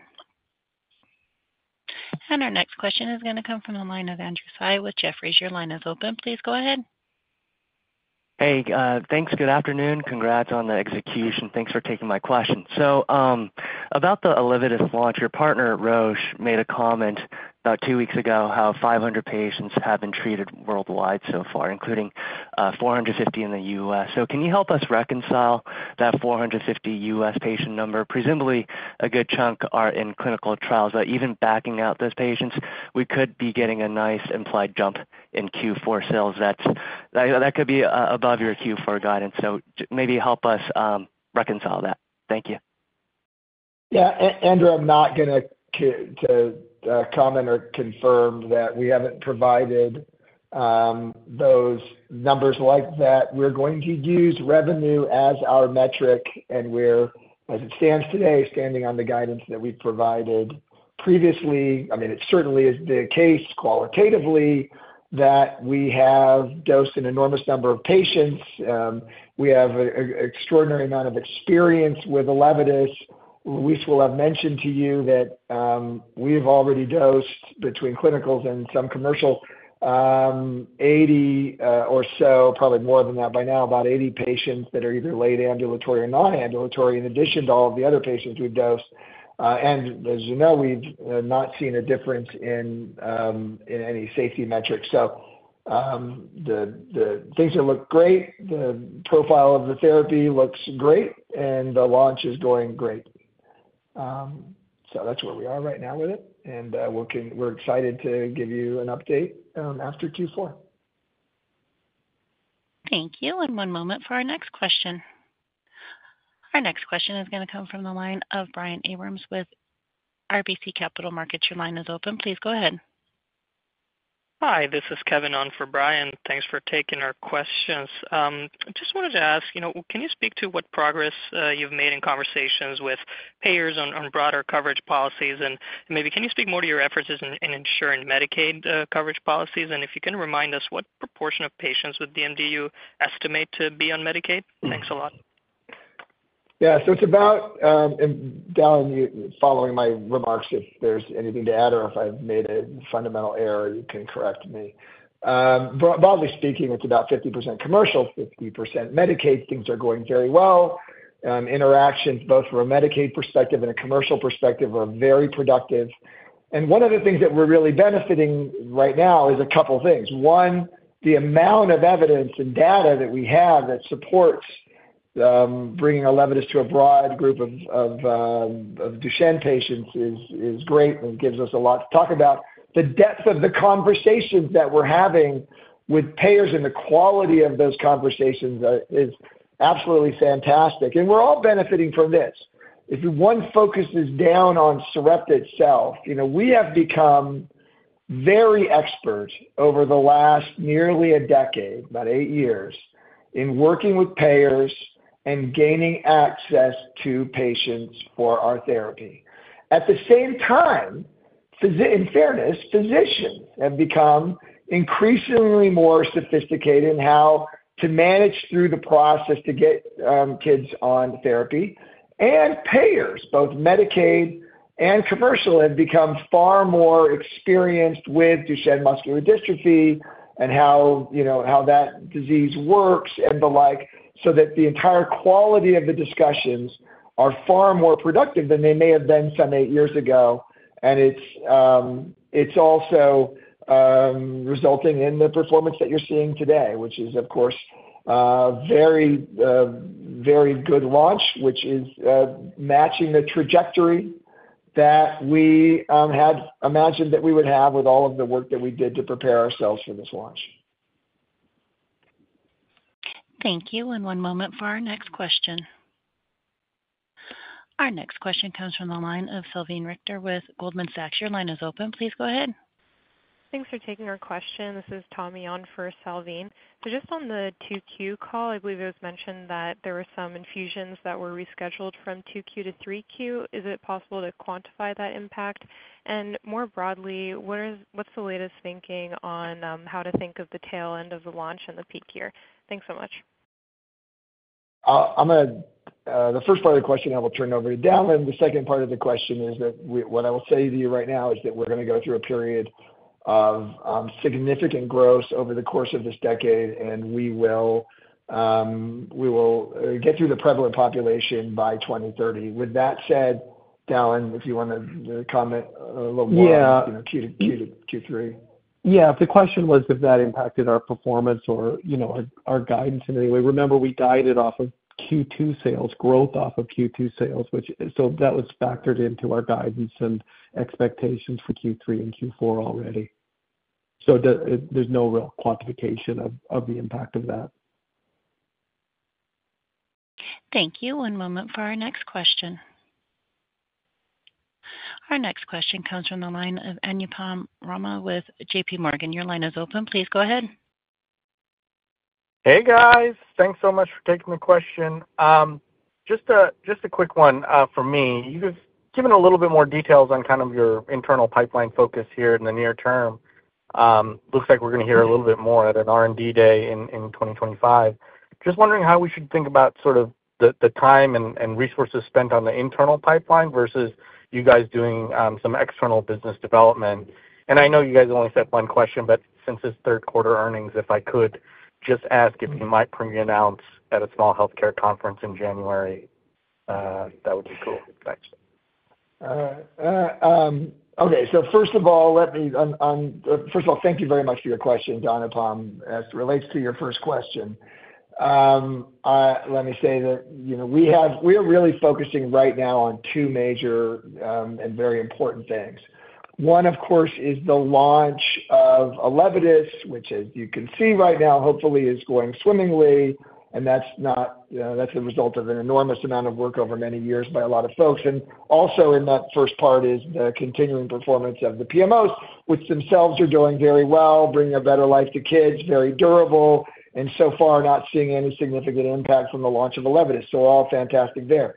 And our next question is going to come from the line of Andrew Tsai with Jefferies. Your line is open. Please go ahead. Hey, thanks. Good afternoon. Congrats on the execution. Thanks for taking my question. So about the Elevidys launch, your partner, Roche, made a comment about two weeks ago how 500 patients have been treated worldwide so far, including 450 in the U.S. So can you help us reconcile that 450 U.S. patient number? Presumably, a good chunk are in clinical trials. But even backing out those patients, we could be getting a nice implied jump in Q4 sales. That could be above your Q4 guidance. So maybe help us reconcile that. Thank you. Yeah. Andrew, I'm not going to comment or confirm that we haven't provided those numbers like that. We're going to use revenue as our metric. And as it stands today, standing on the guidance that we provided previously, I mean, it certainly is the case qualitatively that we have dosed an enormous number of patients. We have an extraordinary amount of experience with Elevidys. Louise will have mentioned to you that we've already dosed between clinicals and some commercial 80 or so, probably more than that by now, about 80 patients that are either late ambulatory or non-ambulatory in addition to all of the other patients we've dosed. And as you know, we've not seen a difference in any safety metrics. So the things that look great, the profile of the therapy looks great, and the launch is going great. So that's where we are right now with it. We're excited to give you an update after Q4. Thank you. And one moment for our next question. Our next question is going to come from the line of Brian Abrams with RBC Capital Markets. Your line is open. Please go ahead. Hi, this is Kevin on for Brian. Thanks for taking our questions. I just wanted to ask, can you speak to what progress you've made in conversations with payers on broader coverage policies? And maybe can you speak more to your efforts in ensuring Medicaid coverage policies? And if you can remind us what proportion of patients with DMD you estimate to be on Medicaid? Thanks a lot. Yeah. So it's about, Dallan, following my remarks, if there's anything to add or if I've made a fundamental error, you can correct me. Broadly speaking, it's about 50% commercial, 50% Medicaid. Things are going very well. Interactions, both from a Medicaid perspective and a commercial perspective, are very productive. And one of the things that we're really benefiting right now is a couple of things. One, the amount of evidence and data that we have that supports bringing Elevidys to a broad group of Duchenne patients is great and gives us a lot to talk about. The depth of the conversations that we're having with payers and the quality of those conversations is absolutely fantastic. And we're all benefiting from this. If one focuses down on Sarepta itself, we have become very expert over the last nearly a decade, about eight years, in working with payers and gaining access to patients for our therapy. At the same time, in fairness, physicians have become increasingly more sophisticated in how to manage through the process to get kids on therapy. And payers, both Medicaid and commercial, have become far more experienced with Duchenne muscular dystrophy and how that disease works and the like, so that the entire quality of the discussions are far more productive than they may have been some eight years ago. And it's also resulting in the performance that you're seeing today, which is, of course, a very good launch, which is matching the trajectory that we had imagined that we would have with all of the work that we did to prepare ourselves for this launch. Thank you. And one moment for our next question. Our next question comes from the line of Salveen Richter with Goldman Sachs. Your line is open. Please go ahead. Thanks for taking our question. This is Tommy on for Salveen. So just on the 2Q call, I believe it was mentioned that there were some infusions that were rescheduled from 2Q-3Q. Is it possible to quantify that impact? And more broadly, what's the latest thinking on how to think of the tail end of the launch and the peak year? Thanks so much. The first part of the question, I will turn it over to Dallan. The second part of the question is that what I will say to you right now is that we're going to go through a period of significant growth over the course of this decade, and we will get through the prevalent population by 2030. With that said, Dallan, if you want to comment a little more on Q3. Yeah. The question was if that impacted our performance or our guidance in any way. Remember, we guided off of Q2 sales, growth off of Q2 sales. So that was factored into our guidance and expectations for Q3 and Q4 already. So there's no real quantification of the impact of that. Thank you. One moment for our next question. Our next question comes from the line of Anupam Rama with J.P. Morgan. Your line is open. Please go ahead. Hey, guys. Thanks so much for taking the question. Just a quick one for me. You've given a little bit more details on kind of your internal pipeline focus here in the near term. Looks like we're going to hear a little bit more at an R&D day in 2025. Just wondering how we should think about sort of the time and resources spent on the internal pipeline versus you guys doing some external business development. I know you guys only said one question, but since it's third-quarter earnings, if I could just ask if you might present your notes at a small healthcare conference in January, that would be cool. Thanks. Okay. So first of all, let me first of all thank you very much for your question, Anupam, as it relates to your first question. Let me say that we are really focusing right now on two major and very important things. One, of course, is the launch of Elevidys, which, as you can see right now, hopefully is going swimmingly. And that's the result of an enormous amount of work over many years by a lotof folks. And also in that first part is the continuing performance of the PMOs, which themselves are doing very well, bringing a better life to kids, very durable, and so far not seeing any significant impact from the launch of Elevidys. So we're all fantastic there.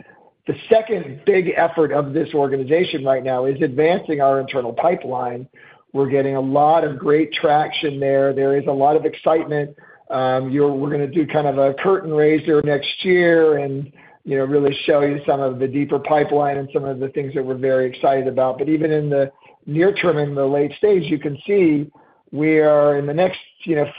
The second big effort of this organization right now is advancing our internal pipeline. We're getting a lot of great traction there. There is a lot of excitement. We're going to do kind of a curtain raiser next year and really show you some of the deeper pipeline and some of the things that we're very excited about. But even in the near term and the late stage, you can see we are in the next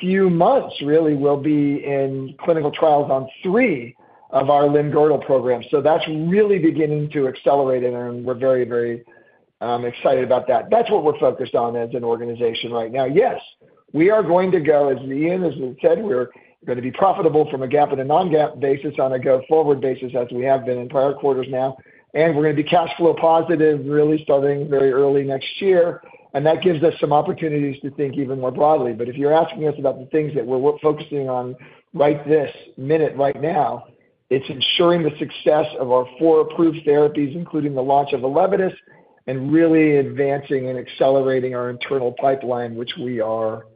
few months, really, we'll be in clinical trials on three of our limb-girdle programs. So that's really beginning to accelerate. And we're very, very excited about that. That's what we're focused on as an organization right now. Yes, we are going to go, as Ian, as I said, we're going to be profitable from a GAAP and a non-GAAP basis on a go-forward basis as we have been in prior quarters now. And we're going to be cash flow positive, really starting very early next year. And that gives us some opportunities to think even more broadly. But if you're asking us about the things that we're focusing on right this minute right now, it's ensuring the success of our four approved therapies, including the launch of Elevidys, and really advancing and accelerating our internal pipeline, which we are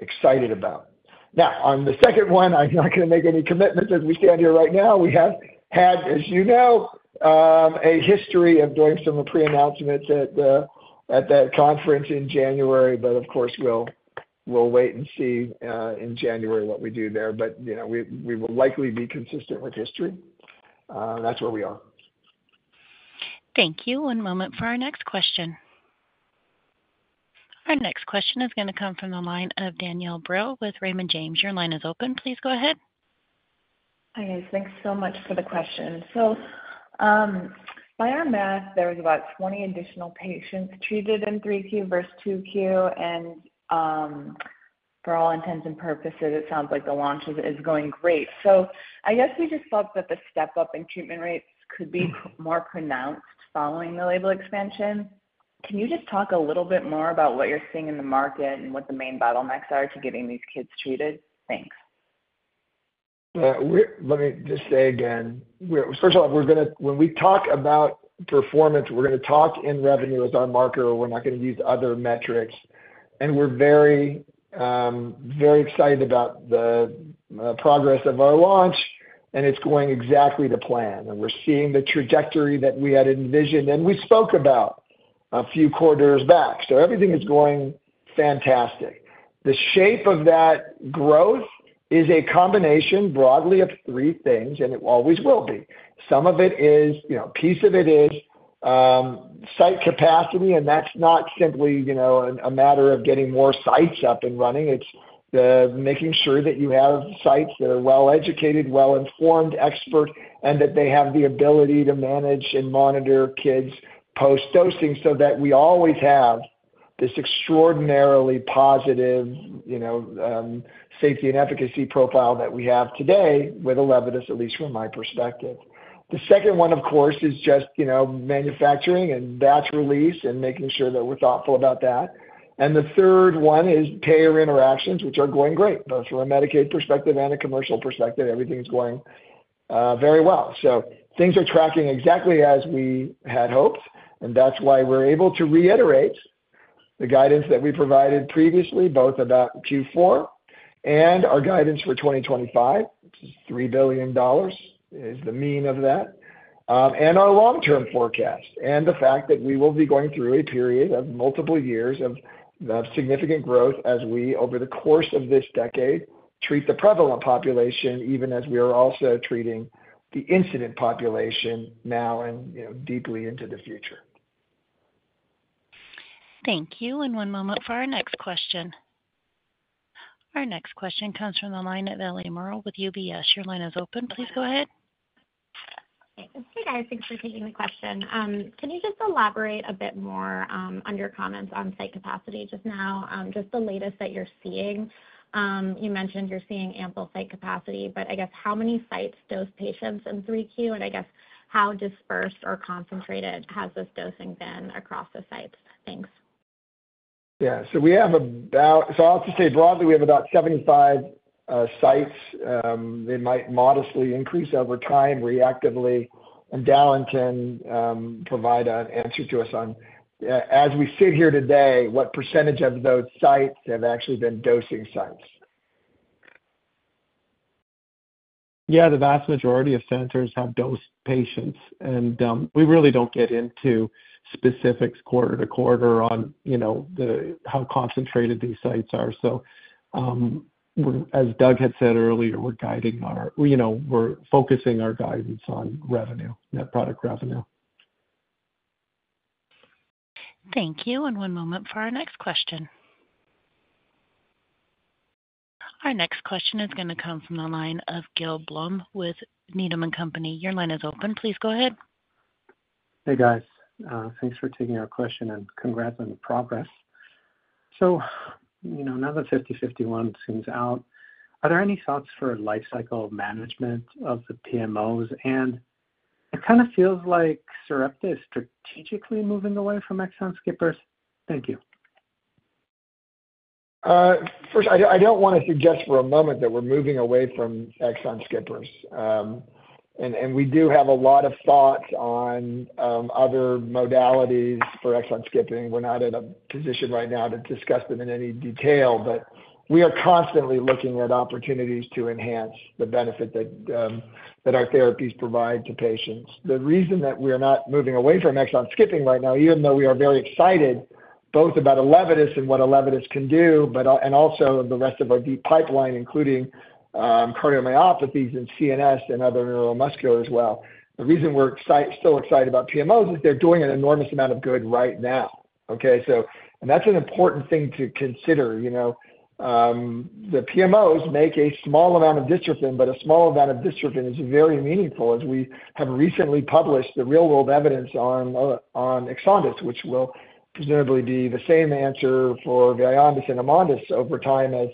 excited about. Now, on the second one, I'm not going to make any commitments as we stand here right now. We have had, as you know, a history of doing some pre-announcements at that conference in January. But of course, we'll wait and see in January what we do there. But we will likely be consistent with history. That's where we are. Thank you. One moment for our next question. Our next question is going to come from the line of Danielle Brill with Raymond James. Your line is open. Please go ahead. Hi, guys. Thanks so much for the question. So by our math, there was about 20 additional patients treated in 3Q versus 2Q. And for all intents and purposes, it sounds like the launch is going great. So I guess we just felt that the step-up in treatment rates could be more pronounced following the label expansion. Can you just talk a little bit more about what you're seeing in the market and what the main bottlenecks are to getting these kids treated? Thanks. Let me just say again, first of all, when we talk about performance, we're going to talk in revenue as our marker. We're not going to use other metrics. And we're very, very excited about the progress of our launch. And it's going exactly to plan. And we're seeing the trajectory that we had envisioned. And we spoke about a few quarters back. So everything is going fantastic. The shape of that growth is a combination broadly of three things, and it always will be. Some of it is, a piece of it is site capacity. And that's not simply a matter of getting more sites up and running.It's making sure that you have sites that are well-educated, well-informed experts, and that they have the ability to manage and monitor kids post-dosing so that we always have this extraordinarily positive safety and efficacy profile that we have today with Elevidys, at least from my perspective. The second one, of course, is just manufacturing and batch release and making sure that we're thoughtful about that. And the third one is payer interactions, which are going great, both from a Medicaid perspective and a commercial perspective. Everything's going very well. So things are tracking exactly as we had hoped. That's why we're able to reiterate the guidance that we provided previously, both about Q4 and our guidance for 2025, which is $3 billion is the mean of that, and our long-term forecast and the fact that we will be going through a period of multiple years of significant growth as we, over the course of this decade, treat the prevalent population, even as we are also treating the incident population now and deeply into the future. Thank you. And one moment for our next question. Our next question comes from the line at Eliana Merle with UBS. Your line is open. Please go ahead. Hey, guys. Thanks for taking the question. Can you just elaborate a bit more on your comments on site capacity just now, just the latest that you're seeing? You mentioned you're seeing ample site capacity, but I guess how many sites dose patients in 3Q? And I guess how dispersed or concentrated has this dosing been across the sites? Thanks. Yeah. So I'll just say broadly, we have about 75 sites. They might modestly increase over time reactively. And Dallan can provide an answer to us on, as we sit here today, what percentage of those sites have actually been dosing sites? Yeah. The vast majority of centers have dosed patients, and we really don't get into specifics quarter to quarter on how concentrated these sites are, so as Doug had said earlier, we're focusing our guidance on revenue, net product revenue. Thank you and one moment for our next question. Our next question is going to come from the line of Gil Blum with Needham & Company. Your line is open. Please go ahead. Hey, guys. Thanks for taking our question and congrats on the progress. So now that 5051 seems out, are there any thoughts for lifecycle management of the PMOs? And it kind of feels like Sarepta is strategically moving away from exon Skippers. Thank you. First, I don't want to suggest for a moment that we're moving away from exon skipping, and we do have a lot of thoughts on other modalities for exon skipping. We're not in a position right now to discuss them in any detail, but we are constantly looking at opportunities to enhance the benefit that our therapies provide to patients. The reason that we're not moving away from exon skipping right now, even though we are very excited both about Elevidys and what Elevidys can do, but also the rest of our deep pipeline, including cardiomyopathies and CNS and other neuromuscular as well. The reason we're still excited about PMOs is they're doing an enormous amount of good right now. Okay, and that's an important thing to consider. The PMOs make a small amount of dystrophin, but a small amount of dystrophin is very meaningful as we have recently published the real-world evidence on Exondys 51, which will presumably be the same answer for Vyondys 53 and Amondys 45 over time as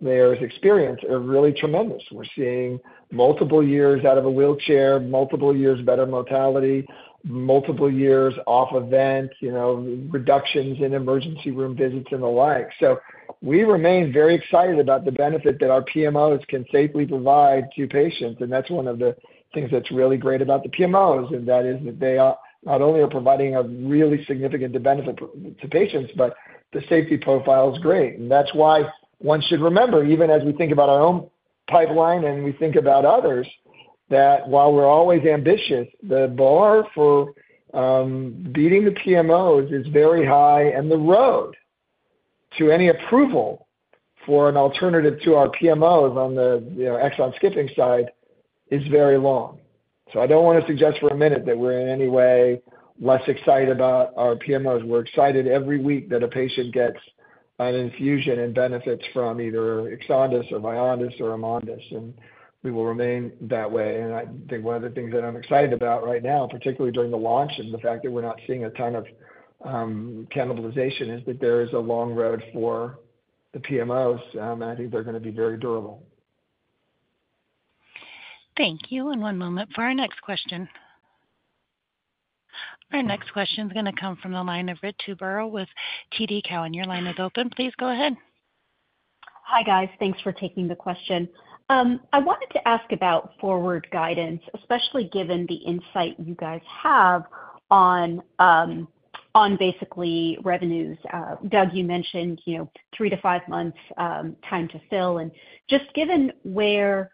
their experiences are really tremendous. We're seeing multiple years out of a wheelchair, multiple years better mortality, multiple years off events, reductions in emergency room visits and the like. So we remain very excited about the benefit that our PMOs can safely provide to patients. And that's one of the things that's really great about the PMOs, and that is that they not only are providing a really significant benefit to patients, but the safety profile is great. And that's why one should remember, even as we think about our own pipeline and we think about others, that while we're always ambitious, the bar for beating the PMOs is very high, and the road to any approval for an alternative to our PMOs on the Exon Skipping side is very long. So I don't want to suggest for a minute that we're in any way less excited about our PMOs. We're excited every week that a patient gets an infusion and benefits from either Exondys 51 or Vyondys 53 or Amondys 45. And we will remain that way. And I think one of the things that I'm excited about right now, particularly during the launch, is the fact that we're not seeing a ton of cannibalization, is that there is a long road for the PMOs. And I think they're going to be very durable. Thank you. And one moment for our next question. Our next question is going to come from the line of Ritu Baral with TD Cowen. Your line is open. Please go ahead. Hi, guys. Thanks for taking the question. I wanted to ask about forward guidance, especially given the insight you guys have on basically revenues. Doug, you mentioned three to five months time to fill. And just given where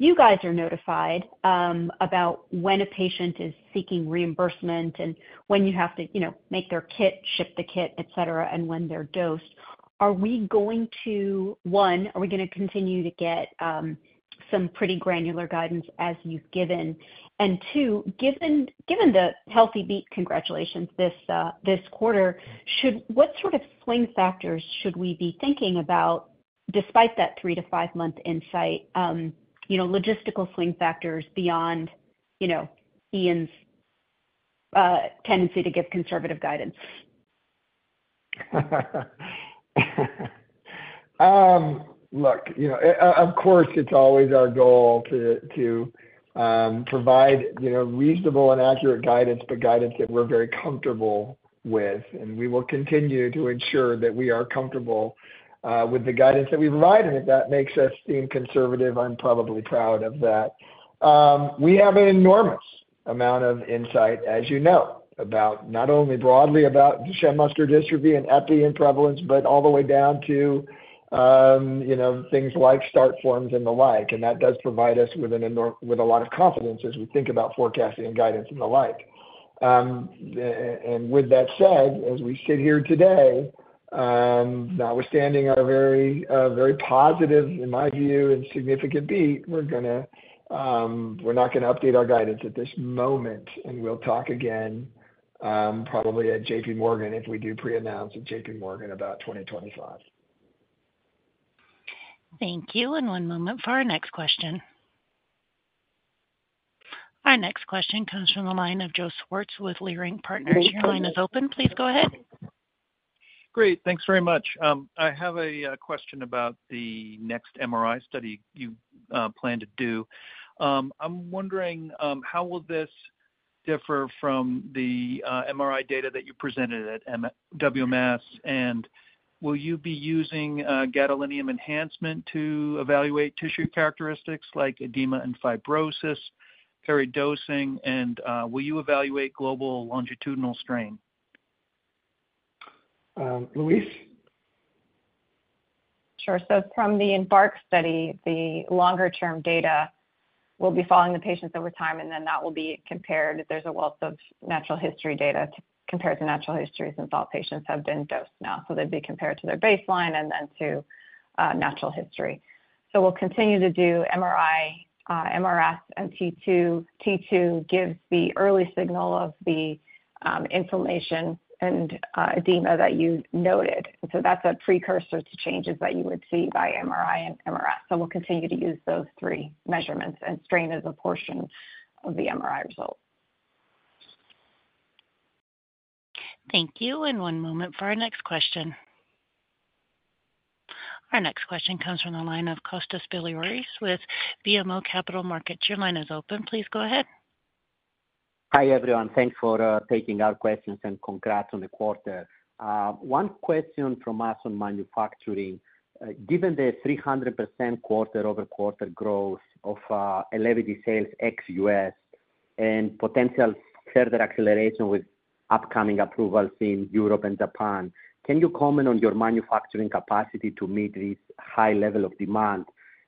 you guys are notified about when a patient is seeking reimbursement and when you have to make their kit, ship the kit, etc., and when they're dosed, are we going to, one, are we going to continue to get some pretty granular guidance as you've given? And two, given the healthy beat, congratulations, this quarter, what sort of swing factors should we be thinking about despite that three to five-month insight, logistical swing factors beyond Ian's tendency to give conservative guidance? Look, of course, it's always our goal to provide reasonable and accurate guidance, but guidance that we're very comfortable with. And we will continue to ensure that we are comfortable with the guidance that we provide. And if that makes us seem conservative, I'm probably proud of that. We have an enormous amount of insight, as you know, not only broadly about the Duchenne muscular dystrophy and epidemiology and prevalence, but all the way down to things like start forms and the like. And that does provide us with a lot of confidence as we think about forecasting and guidance and the like. And with that said, as we sit here today, notwithstanding our very positive, in my view, and significant beat, we're not going to update our guidance at this moment. And we'll talk again probably at JPMorgan if we do pre-announce at JPMorgan about 2025. Thank you, and one moment for our next question. Our next question comes from the line of Joe Schwartz with Leerink Partners. Your line is open. Please go ahead. Great. Thanks very much. I have a question about the next MRI study you plan to do. I'm wondering how will this differ from the MRI data that you presented at WMS?, and will you be using gadolinium enhancement to evaluate tissue characteristics like edema and fibrosis, peri-dosing?, and will you evaluate global longitudinal strain? Louise? Sure. So from the EMBARK study, the longer-term data will be following the patients over time, and then that will be compared if there's a wealth of natural history data to compare to natural histories since all patients have been dosed now. So they'd be compared to their baseline and then to natural history. So we'll continue to do MRI, MRS, and T2. T2 gives the early signal of the inflammation and edema that you noted. And so that's a precursor to changes that you would see by MRI and MRS. So we'll continue to use those three measurements and strain as a portion of the MRI result. Thank you. And one moment for our next question. Our next question comes from the line of Kostas Biliouris with BMO Capital Markets. Your line is open. Please go ahead. Hi, everyone. Thanks for taking our questions and congrats on the quarter. One question from us on manufacturing. Given the 300% quarter-over-quarter growth of Elevidys sales ex-US and potential further acceleration with upcoming approvals in Europe and Japan, can you comment on your manufacturing capacity to meet this high level of demand?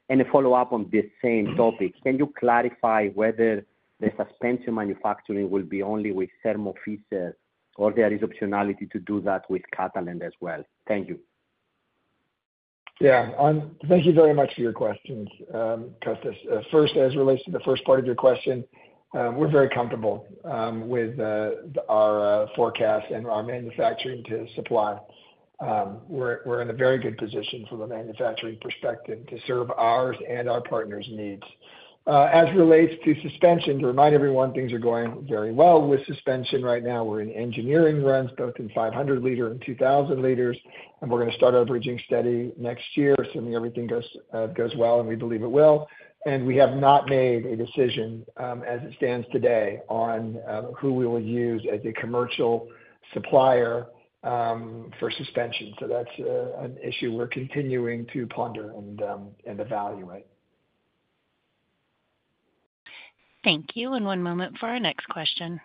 And a follow-up on this same topic, can you clarify whether the suspension manufacturing will be only with Thermo Fisher or there is optionality to do that with Catalent as well? Thank you. Yeah. Thank you very much for your questions, Kostas. First, as it relates to the first part of your question, we're very comfortable with our forecast and our manufacturing to supply. We're in a very good position from a manufacturing perspective to serve ours and our partners' needs. As it relates to suspension, to remind everyone, things are going very well with suspension right now. We're in engineering runs, both in 500 l and 2,000 l, and we're going to start our bridging study next year, assuming everything goes well and we believe it will, and we have not made a decision, as it stands today, on who we will use as a commercial supplier for suspension. So that's an issue we're continuing to ponder and evaluate. Thank you. And one moment for our next question.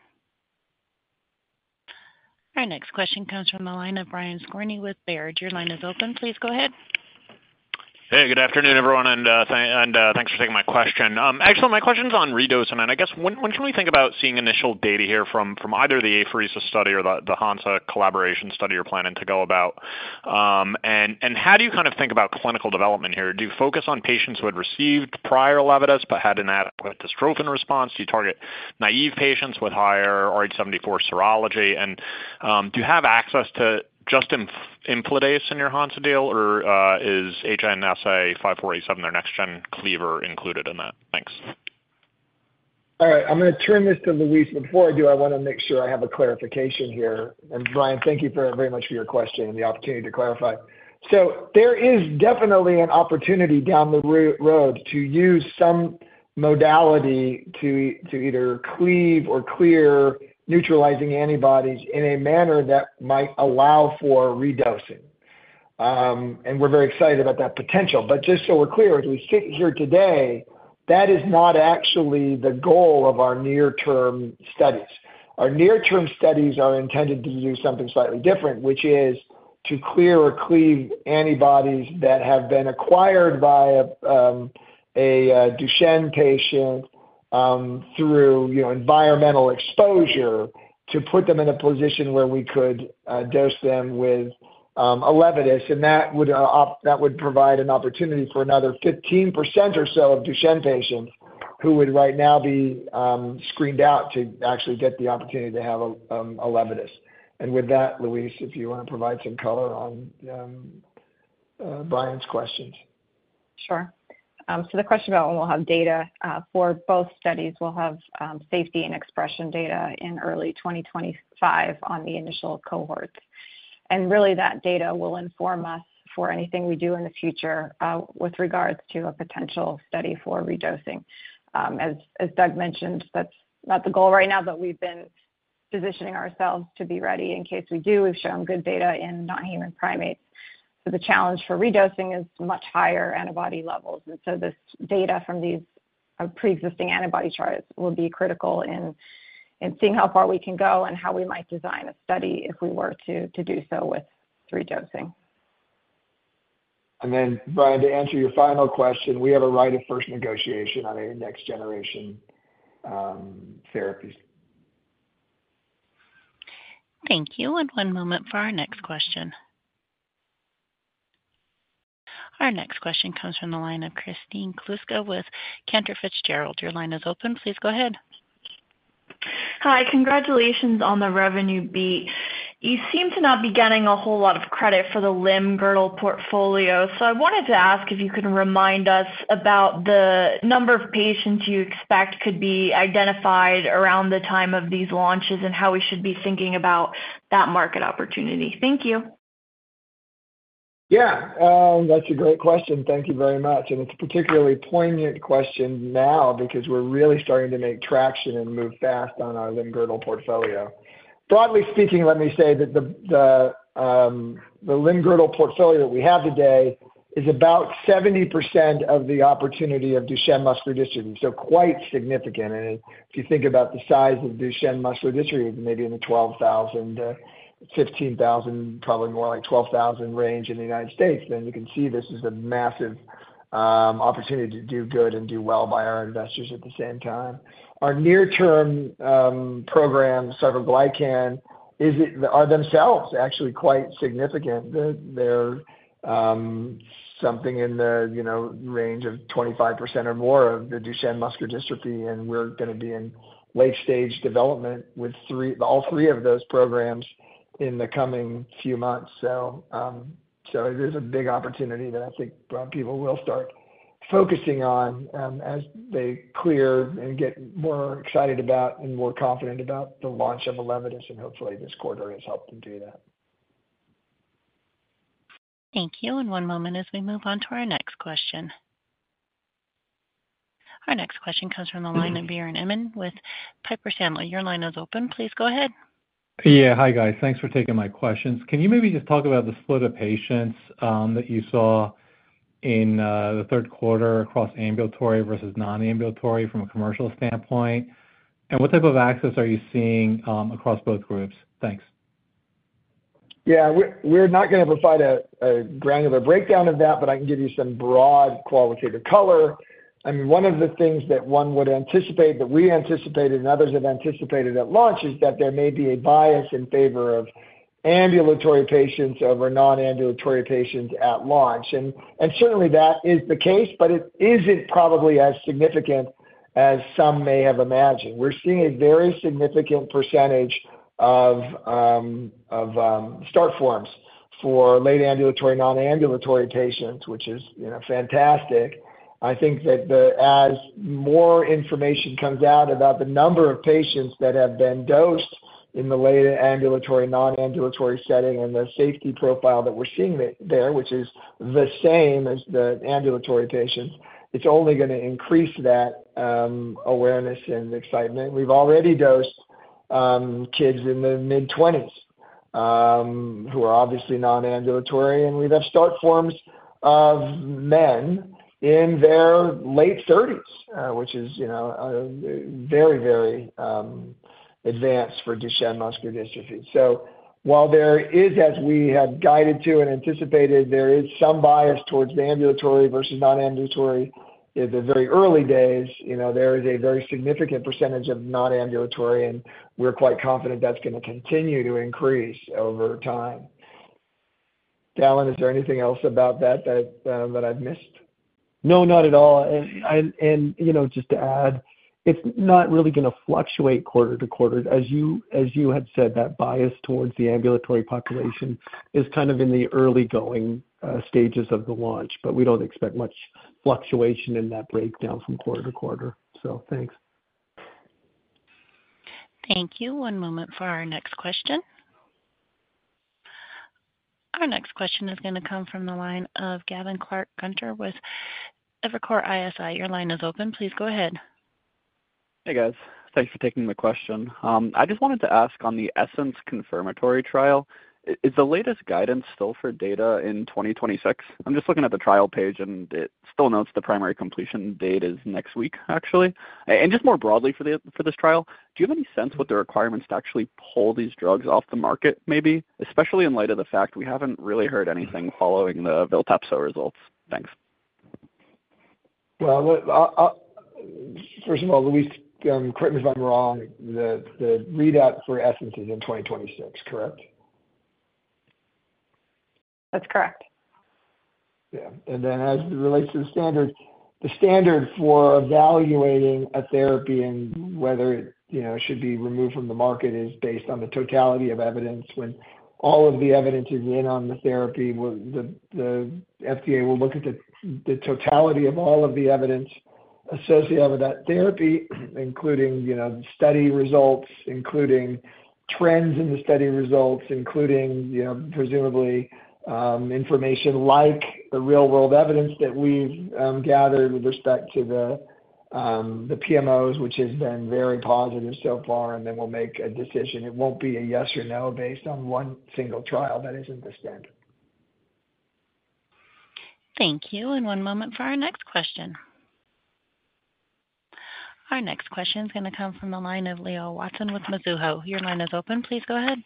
Our next question comes from the line of Brian Skorney with Baird. Your line is open. Please go ahead. Hey, good afternoon, everyone. And thanks for taking my question. Actually, my question's on redosing. And I guess when can we think about seeing initial data here from either the apheresis study or the Hansa collaboration study you're planning to go about? And how do you kind of think about clinical development here? Do you focus on patients who had received prior Elevidys but had inadequate dystrophin response? Do you target naive patients with higher rh74 serology? And do you have access to just imlifidase in your Hansa deal, or is HNSA-5487, their next-gen cleaver, included in that? Thanks. All right. I'm going to turn this to Louise. Before I do, I want to make sure I have a clarification here. And Brian, thank you very much for your question and the opportunity to clarify. So there is definitely an opportunity down the road to use some modality to either cleave or clear neutralizing antibodies in a manner that might allow for redosing. And we're very excited about that potential. But just so we're clear, as we sit here today, that is not actually the goal of our near-term studies. Our near-term studies are intended to do something slightly different, which is to clear or cleave antibodies that have been acquired by a Duchenne patient through environmental exposure to put them in a position where we could dose them with Elevidys.That would provide an opportunity for another 15% or so of Duchenne patients who would right now be screened out to actually get the opportunity to have an Elevidys. With that, Louise, if you want to provide some color on Brian's questions. Sure. The question about when we'll have data for both studies. We'll have safety and expression data in early 2025 on the initial cohorts. Really, that data will inform us for anything we do in the future with regards to a potential study for redosing. As Doug mentioned, that's not the goal right now, but we've been positioning ourselves to be ready in case we do. We've shown good data in non-human primates. The challenge for redosing is much higher antibody levels. This data from these pre-existing antibody titers will be critical in seeing how far we can go and how we might design a study if we were to do so with redosing. And then, Brian, to answer your final question, we have a right of first negotiation on any next-generation therapies. Thank you. And one moment for our next question. Our next question comes from the line of Kristen Kluska with Cantor Fitzgerald. Your line is open. Please go ahead. Hi. Congratulations on the revenue beat. You seem to not be getting a whole lot of credit for the limb-girdle portfolio. So I wanted to ask if you could remind us about the number of patients you expect could be identified around the time of these launches and how we should be thinking about that market opportunity. Thank you. Yeah. That's a great question. Thank you very much. It's a particularly poignant question now because we're really starting to make traction and move fast on our Limb-Girdle portfolio. Broadly speaking, let me say that the Limb-Girdle portfolio that we have today is about 70% of the opportunity of Duchenne muscular dystrophy. Quite significant. If you think about the size of Duchenne muscular dystrophy, maybe in the 12,000, 15,000, probably more like 12,000 range in the United States, then you can see this is a massive opportunity to do good and do well by our investors at the same time. Our near-term program, sarcoglycan, are themselves actually quite significant. They're something in the range of 25% or more of the Duchenne muscular dystrophy. We're going to be in late-stage development with all three of those programs in the coming few months. It is a big opportunity that I think people will start focusing on as they clear and get more excited about and more confident about the launch of Elevidys. Hopefully, this quarter has helped them do that. Thank you. And one moment as we move on to our next question. Our next question comes from the line of Biren Amin with Piper Sandler. Your line is open. Please go ahead. Yeah. Hi, guys. Thanks for taking my questions. Can you maybe just talk about the split of patients that you saw in the third quarter across ambulatory versus non-ambulatory from a commercial standpoint? And what type of access are you seeing across both groups? Thanks. Yeah. We're not going to provide a granular breakdown of that, but I can give you some broad qualitative color. I mean, one of the things that one would anticipate that we anticipated and others have anticipated at launch is that there may be a bias in favor of ambulatory patients over non-ambulatory patients at launch, and certainly that is the case, but it isn't probably as significant as some may have imagined. We're seeing a very significant percentage of start forms for late ambulatory, non-ambulatory patients, which is fantastic. I think that as more information comes out about the number of patients that have been dosed in the late ambulatory, non-ambulatory setting and the safety profile that we're seeing there, which is the same as the ambulatory patients, it's only going to increase that awareness and excitement. We've already dosed kids in the mid-20s who are obviously non-ambulatory. We've had start forms of men in their late 30s, which is very, very advanced for Duchenne muscular dystrophy. So while there is, as we have guided to and anticipated, there is some bias towards the ambulatory versus non-ambulatory in the very early days, there is a very significant percentage of non-ambulatory. We're quite confident that's going to continue to increase over time. Dallan, is there anything else about that that I've missed? No, not at all. And just to add, it's not really going to fluctuate quarter to quarter. As you had said, that bias towards the ambulatory population is kind of in the early-going stages of the launch, but we don't expect much fluctuation in that breakdown from quarter to quarter. So thanks. Thank you. One moment for our next question. Our next question is going to come from the line of Gavin Clark-Gartner with Evercore ISI. Your line is open. Please go ahead. Hey, guys. Thanks for taking my question. I just wanted to ask on the ESSENCE confirmatory trial, is the latest guidance still for data in 2026? I'm just looking at the trial page, and it still notes the primary completion date is next week, actually. And just more broadly for this trial, do you have any sense what the requirements to actually pull these drugs off the market may be, especially in light of the fact we haven't really heard anything following the Viltepso results? Thanks. First of all, Louise, correct me if I'm wrong, the readout for ESSENCE is in 2026, correct? That's correct. Yeah. And then as it relates to the standard, the standard for evaluating a therapy and whether it should be removed from the market is based on the totality of evidence. When all of the evidence is in on the therapy, the FDA will look at the totality of all of the evidence associated with that therapy, including the study results, including trends in the study results, including presumably information like the real-world evidence that we've gathered with respect to the PMOs, which has been very positive so far. And then we'll make a decision. It won't be a yes or no based on one single trial. That isn't the standard. Thank you. And one moment for our next question. Our next question is going to come from the line of Leo Watson with Mizuho. Your line is open. Please go ahead.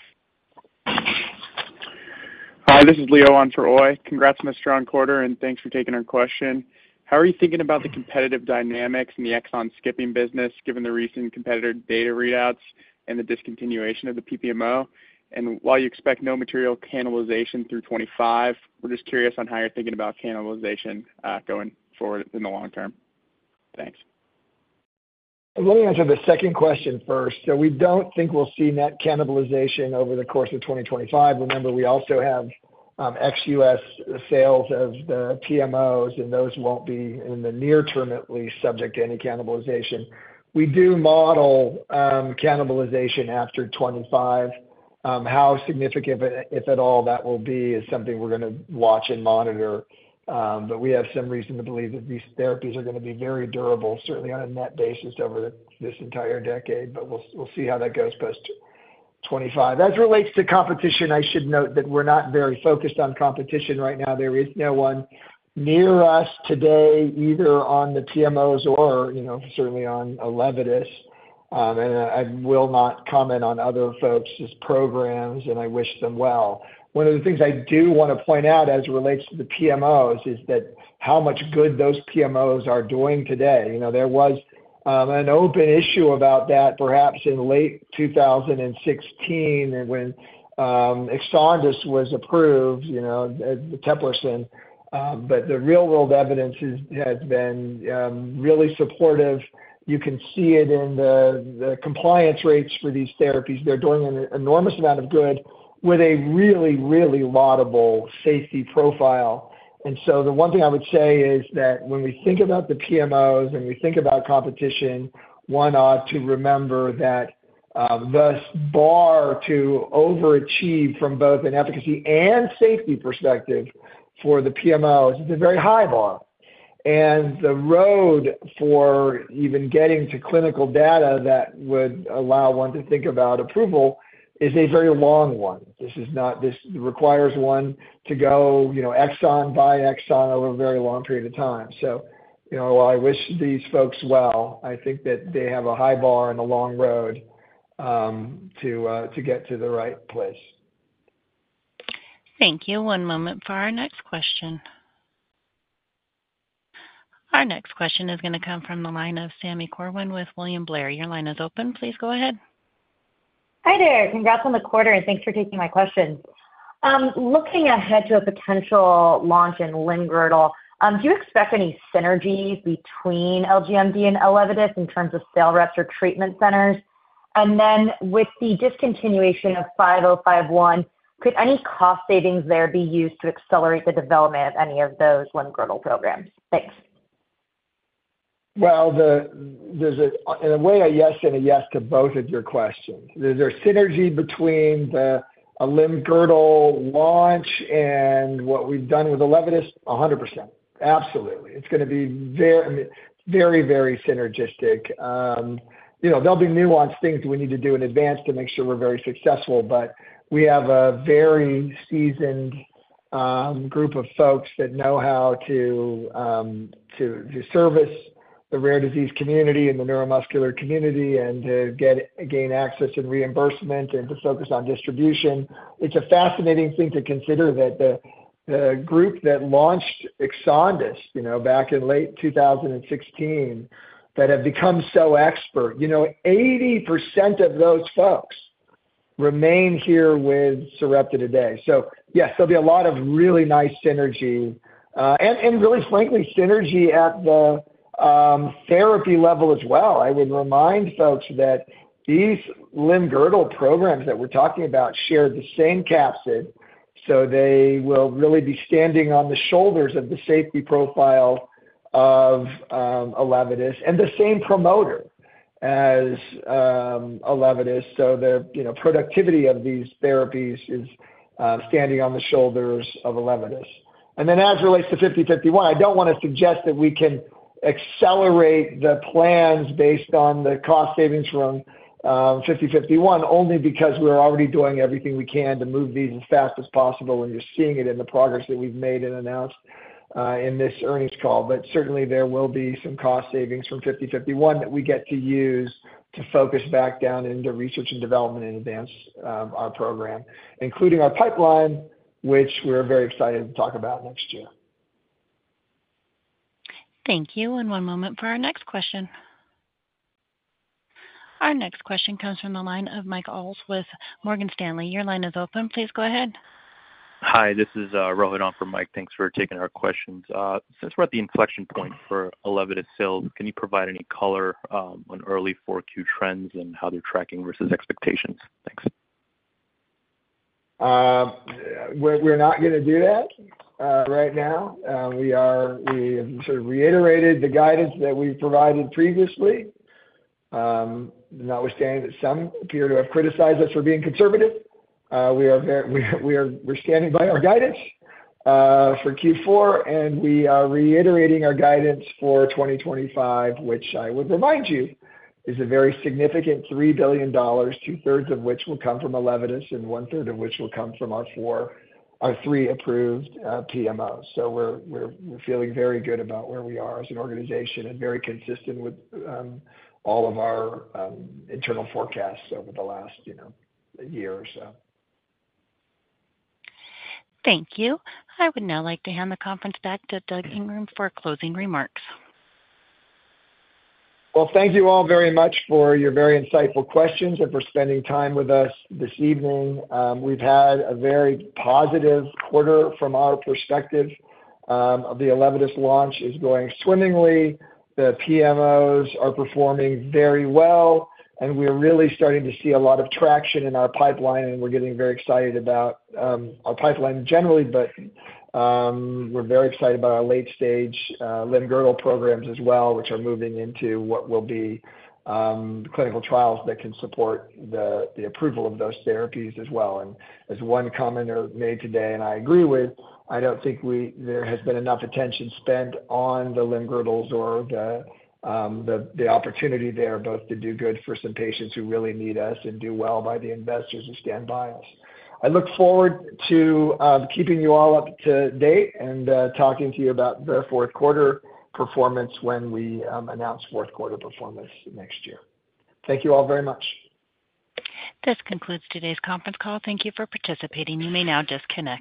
Hi. This is Leo on for Uy. Congrats on the strong quarter, and thanks for taking our question. How are you thinking about the competitive dynamics in the exon skipping business given the recent competitor data readouts and the discontinuation of the PPMO, and while you expect no material cannibalization through 2025, we're just curious on how you're thinking about cannibalization going forward in the long term. Thanks. Let me answer the second question first. So we don't think we'll see net cannibalization over the course of 2025. Remember, we also have ex-U.S. sales of the PMOs, and those won't be, in the near term at least, subject to any cannibalization. We do model cannibalization after 2025. How significant, if at all, that will be is something we're going to watch and monitor. But we have some reason to believe that these therapies are going to be very durable, certainly on a net basis over this entire decade. But we'll see how that goes post 2025. As it relates to competition, I should note that we're not very focused on competition right now. There is no one near us today either on the PMOs or certainly on a Elevidys. And I will not comment on other folks' programs, and I wish them well. One of the things I do want to point out as it relates to the PMOs is how much good those PMOs are doing today. There was an open issue about that perhaps in late 2016 when Exondys 51 was approved as eteplirsen. But the real-world evidence has been really supportive. You can see it in the compliance rates for these therapies. They're doing an enormous amount of good with a really, really laudable safety profile. And so the one thing I would say is that when we think about the PMOs and we think about competition, one ought to remember that the bar to overachieve from both an efficacy and safety perspective for the PMOs is a very high bar. And the road for even getting to clinical data that would allow one to think about approval is a very long one. This requires one to go exon by exon over a very long period of time. So while I wish these folks well, I think that they have a high bar and a long road to get to the right place. Thank you. One moment for our next question. Our next question is going to come from the line of Sami Corwin with William Blair. Your line is open. Please go ahead. Hi there. Congrats on the quarter, and thanks for taking my question. Looking ahead to a potential launch in limb-girdle, do you expect any synergies between LGMD and Elevidys in terms of sales reps or treatment centers, and then with the discontinuation of 5051, could any cost savings there be used to accelerate the development of any of those limb-girdle programs? Thanks. Well, in a way, a yes and a yes to both of your questions. Is there synergy between a limb-girdle launch and what we've done with Elevidys? 100%. Absolutely. It's going to be very, very synergistic. There'll be nuanced things we need to do in advance to make sure we're very successful. But we have a very seasoned group of folks that know how to service the rare disease community and the neuromuscular community and to gain access and reimbursement and to focus on distribution. It's a fascinating thing to consider that the group that launched Exondys back in late 2016 that have become so expert, 80% of those folks remain here with Sarepta today. So yes, there'll be a lot of really nice synergy. And really, frankly, synergy at the therapy level as well. I would remind folks that these limb-girdle programs that we're talking about share the same capsid. So they will really be standing on the shoulders of the safety profile of Elevidys and the same promoter as Elevidys. So the productivity of these therapies is standing on the shoulders of Elevidys. And then as it relates to 5051, I don't want to suggest that we can accelerate the plans based on the cost savings from 5051 only because we're already doing everything we can to move these as fast as possible when you're seeing it in the progress that we've made and announced in this earnings call. But certainly, there will be some cost savings from 5051 that we get to use to focus back down into research and development and advance our program, including our pipeline, which we're very excited to talk about next year. Thank you. And one moment for our next question. Our next question comes from the line of Mike Ulz with Morgan Stanley. Your line is open. Please go ahead. Hi. This is Rohit from Mike. Thanks for taking our questions. Since we're at the inflection point for Elevidys sales, can you provide any color on early Q4 trends and how they're tracking versus expectations? Thanks. We're not going to do that right now. We have sort of reiterated the guidance that we've provided previously. Notwithstanding that some appear to have criticized us for being conservative, we're standing by our guidance for Q4. And we are reiterating our guidance for 2025, which I would remind you is a very significant $3 billion, two-thirds of which will come from Elevidys and one-third of which will come from our three approved PMOs, so we're feeling very good about where we are as an organization and very consistent with all of our internal forecasts over the last year or so. Thank you. I would now like to hand the conference back to Doug Ingram for closing remarks. Thank you all very much for your very insightful questions and for spending time with us this evening. We've had a very positive quarter from our perspective. The Elevidys launch is going swimmingly. The PMOs are performing very well. And we're really starting to see a lot of traction in our pipeline. And we're getting very excited about our pipeline generally, but we're very excited about our late-stage limb-girdle programs as well, which are moving into what will be clinical trials that can support the approval of those therapies as well. And as one commenter made today, and I agree with, I don't think there has been enough attention spent on the limb-girdles or the opportunity there both to do good for some patients who really need us and do well by the investors who stand by us.I look forward to keeping you all up to date and talking to you about the fourth quarter performance when we announce fourth quarter performance next year. Thank you all very much. This concludes today's conference call. Thank you for participating. You may now disconnect.